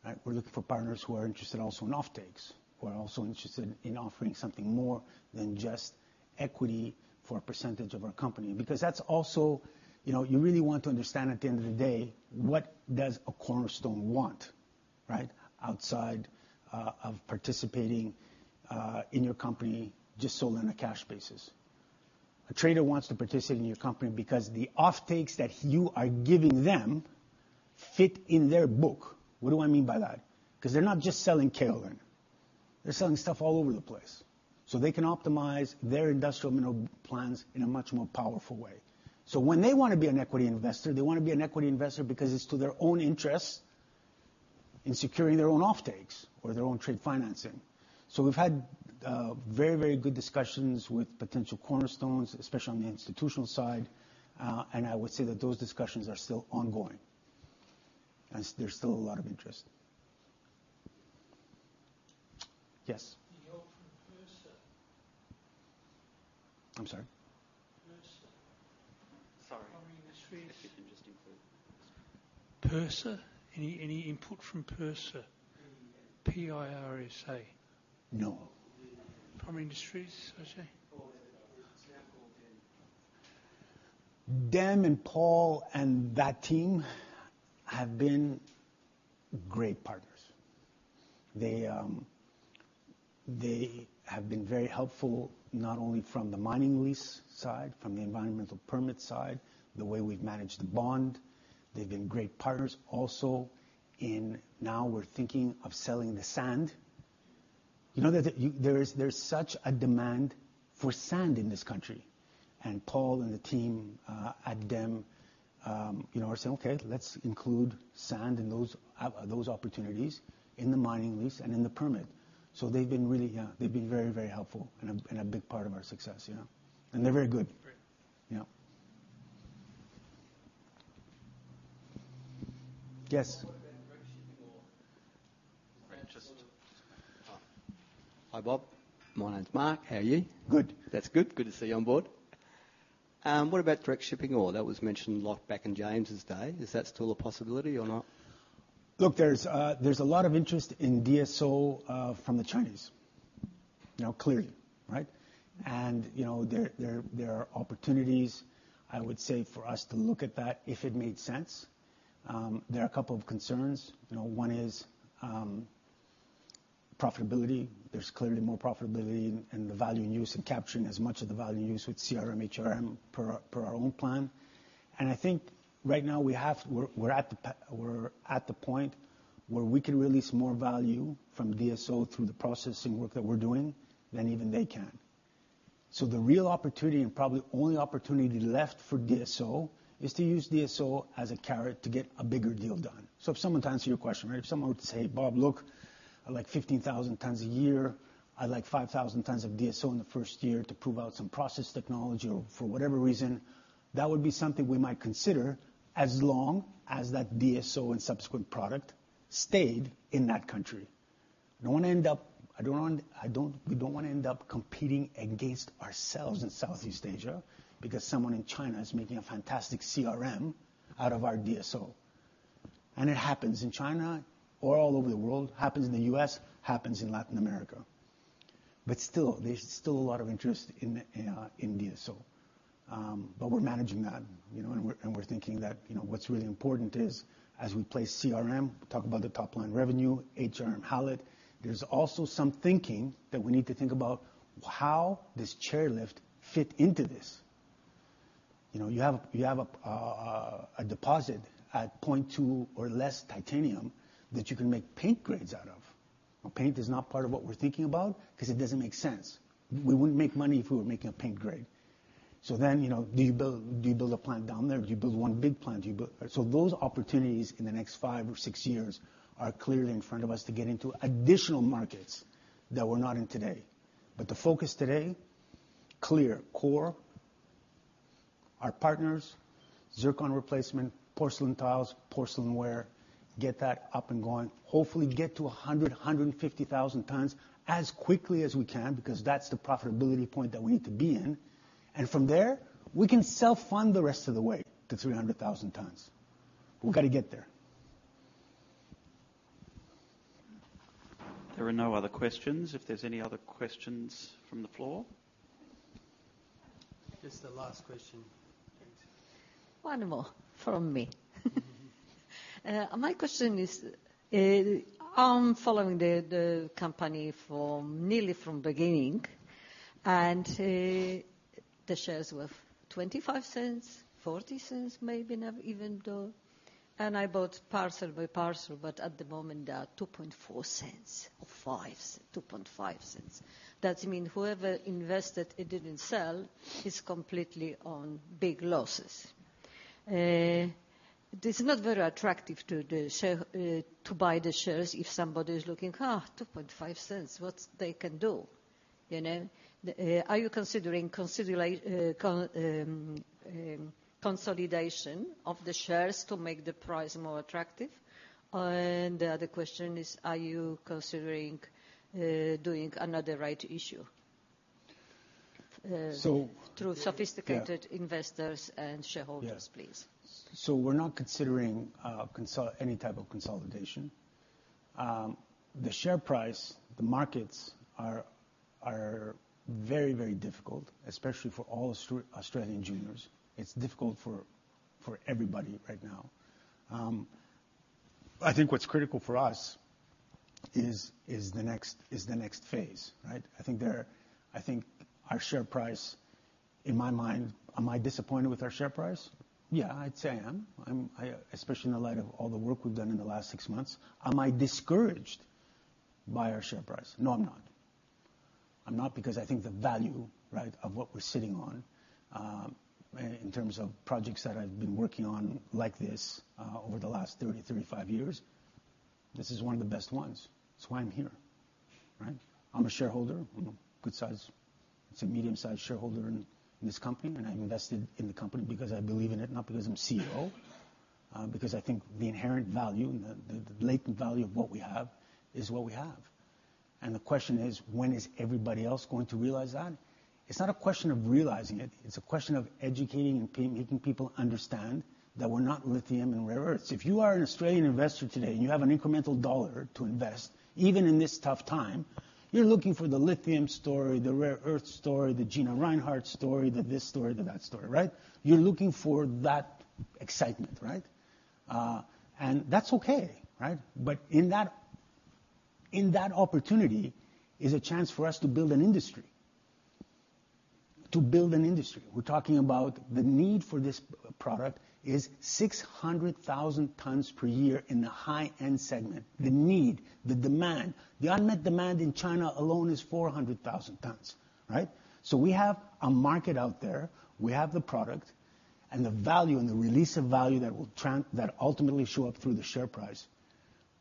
right? We're looking for partners who are interested also in offtakes, who are also interested in offering something more than just equity for a percentage of our company, because that's also, you know, you really want to understand, at the end of the day, what does a cornerstone want, right? Outside of participating in your company just solely on a cash basis. A trader wants to participate in your company because the offtakes that you are giving them fit in their book. What do I mean by that? Because they're not just selling kaolin. They're selling stuff all over the place, so they can optimize their industrial mineral plans in a much more powerful way. So when they want to be an equity investor, they want to be an equity investor because it's to their own interest in securing their own offtakes or their own trade financing. So we've had very, very good discussions with potential cornerstones, especially on the institutional side, and I would say that those discussions are still ongoing, as there's still a lot of interest. Yes?... From PIRSA. I'm sorry. PIRSA. Sorry. Mining Industries. If you can just include. PIRSA. Any, any input from PIRSA? P-I-R-S-A. No. Primary Industries, I say? Oh, yeah. It's now called DEM. DEM and Paul and that team have been great partners. They, they have been very helpful, not only from the mining lease side, from the environmental permit side, the way we've managed the bond. They've been great partners also in, now we're thinking of selling the sand. You know, that there is, there's such a demand for sand in this country, and Paul and the team at DEM, you know, are saying, "Okay, let's include sand in those out, those opportunities in the mining lease and in the permit." So they've been really, yeah, they've been very, very helpful and a big part of our success, yeah. And they're very good. Great. Yeah. Yes? What about direct shipping ore? Hi, Bob. My name's Mark. How are you? Good. That's good. Good to see you on board. What about direct shipping ore? That was mentioned a lot back in James' day. Is that still a possibility or not? Look, there's a lot of interest in DSO from the Chinese, you know, clearly, right? And, you know, there are opportunities, I would say, for us to look at that if it made sense. There are a couple of concerns. You know, one is profitability. There's clearly more profitability and the value in use and capturing as much of the value in use with CRM, HRM per our, per our own plan. And I think right now, we're at the point where we can release more value from DSO through the processing work that we're doing than even they can. So the real opportunity and probably only opportunity left for DSO is to use DSO as a carrot to get a bigger deal done. So if someone, to answer your question, right, if someone were to say, "Bob, look, I'd like 15,000 tons a year, I'd like 5,000 tons of DSO in the first year to prove out some process technology or for whatever reason," that would be something we might consider as long as that DSO and subsequent product stayed in that country. We don't want to end up competing against ourselves in Southeast Asia because someone in China is making a fantastic CRM out of our DSO. And it happens in China or all over the world, happens in the U.S., happens in Latin America. But still, there's still a lot of interest in DSO. But we're managing that, you know, and we're thinking that, you know, what's really important is, as we place CRM, we talk about the top-line revenue, HRM, Hallett. There's also some thinking that we need to think about how this Hallett fit into this. You know, you have a deposit at 0.2 or less titanium that you can make paint grades out of. Now, paint is not part of what we're thinking about because it doesn't make sense. We wouldn't make money if we were making a paint grade. So then, you know, do you build a plant down there? Do you build one big plant? Do you build... So those opportunities in the next five or six years are clearly in front of us to get into additional markets that we're not in today. But the focus today, clear, core, our partners, zircon replacement, porcelain tiles, porcelain wear, get that up and going. Hopefully, get to 100,000-150,000 tons as quickly as we can, because that's the profitability point that we need to be in. And from there, we can self-fund the rest of the way to 300,000 tons. We've got to get there. There are no other questions. If there's any other questions from the floor? Just the last question, please. One more from me. My question is, I'm following the company for nearly from beginning, and the shares were 0.25, 0.40, maybe not even though, and I bought parcel by parcel, but at the moment, they are 0.024 or 0.025. That means whoever invested, it didn't sell, is completely on big losses. This is not very attractive to the share, to buy the shares if somebody is looking, 2.5 cents, what they can do? You know, are you considering consolidation of the shares to make the price more attractive? And the other question is, are you considering doing another rights issue?... so through sophisticated- Yeah. Investors and shareholders, please. So we're not considering any type of consolidation. The share price, the markets are very, very difficult, especially for all Australian juniors. It's difficult for everybody right now. I think what's critical for us is the next phase, right? I think our share price, in my mind, am I disappointed with our share price? Yeah, I'd say I am, especially in the light of all the work we've done in the last 6 months. Am I discouraged by our share price? No, I'm not. I'm not because I think the value, right, of what we're sitting on, in terms of projects that I've been working on like this, over the last 30-35 years, this is one of the best ones. It's why I'm here, right? I'm a shareholder. I'm a good size... It's a medium-sized shareholder in, in this company, and I invested in the company because I believe in it, not because I'm CEO. Because I think the inherent value and the, the latent value of what we have is what we have. And the question is: when is everybody else going to realize that? It's not a question of realizing it, it's a question of educating and making people understand that we're not lithium and rare earths. If you are an Australian investor today, and you have an incremental dollar to invest, even in this tough time, you're looking for the lithium story, the rare earth story, the Gina Rinehart story, the this story, the that story, right? You're looking for that excitement, right? And that's okay, right? But in that, in that opportunity is a chance for us to build an industry. To build an industry. We're talking about the need for this product is 600,000 tons per year in the high-end segment. The need, the demand. The unmet demand in China alone is 400,000 tons, right? So we have a market out there, we have the product, and the value and the release of value that will that ultimately show up through the share price,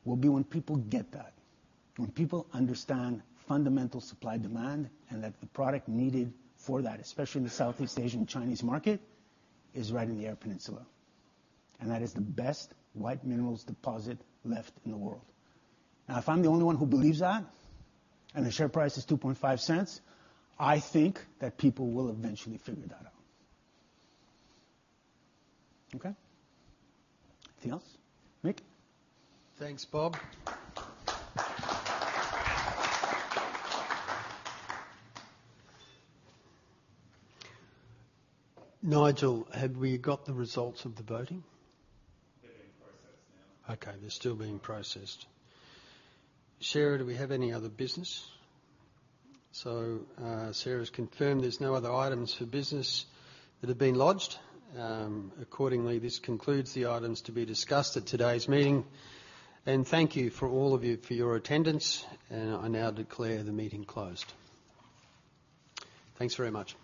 will be when people get that. When people understand fundamental supply, demand, and that the product needed for that, especially in the Southeast Asian Chinese market, is right in the Eyre Peninsula, and that is the best white minerals deposit left in the world. Now, if I'm the only one who believes that, and the share price is 0.025, I think that people will eventually figure that out. Okay? Anything else? Mick? Thanks, Bob. Nigel, have we got the results of the voting? They're being processed now. Okay, they're still being processed. Sarah, do we have any other business? So, Sarah's confirmed there's no other items for business that have been lodged. Accordingly, this concludes the items to be discussed at today's meeting. Thank you for all of you for your attendance, and I now declare the meeting closed. Thanks very much.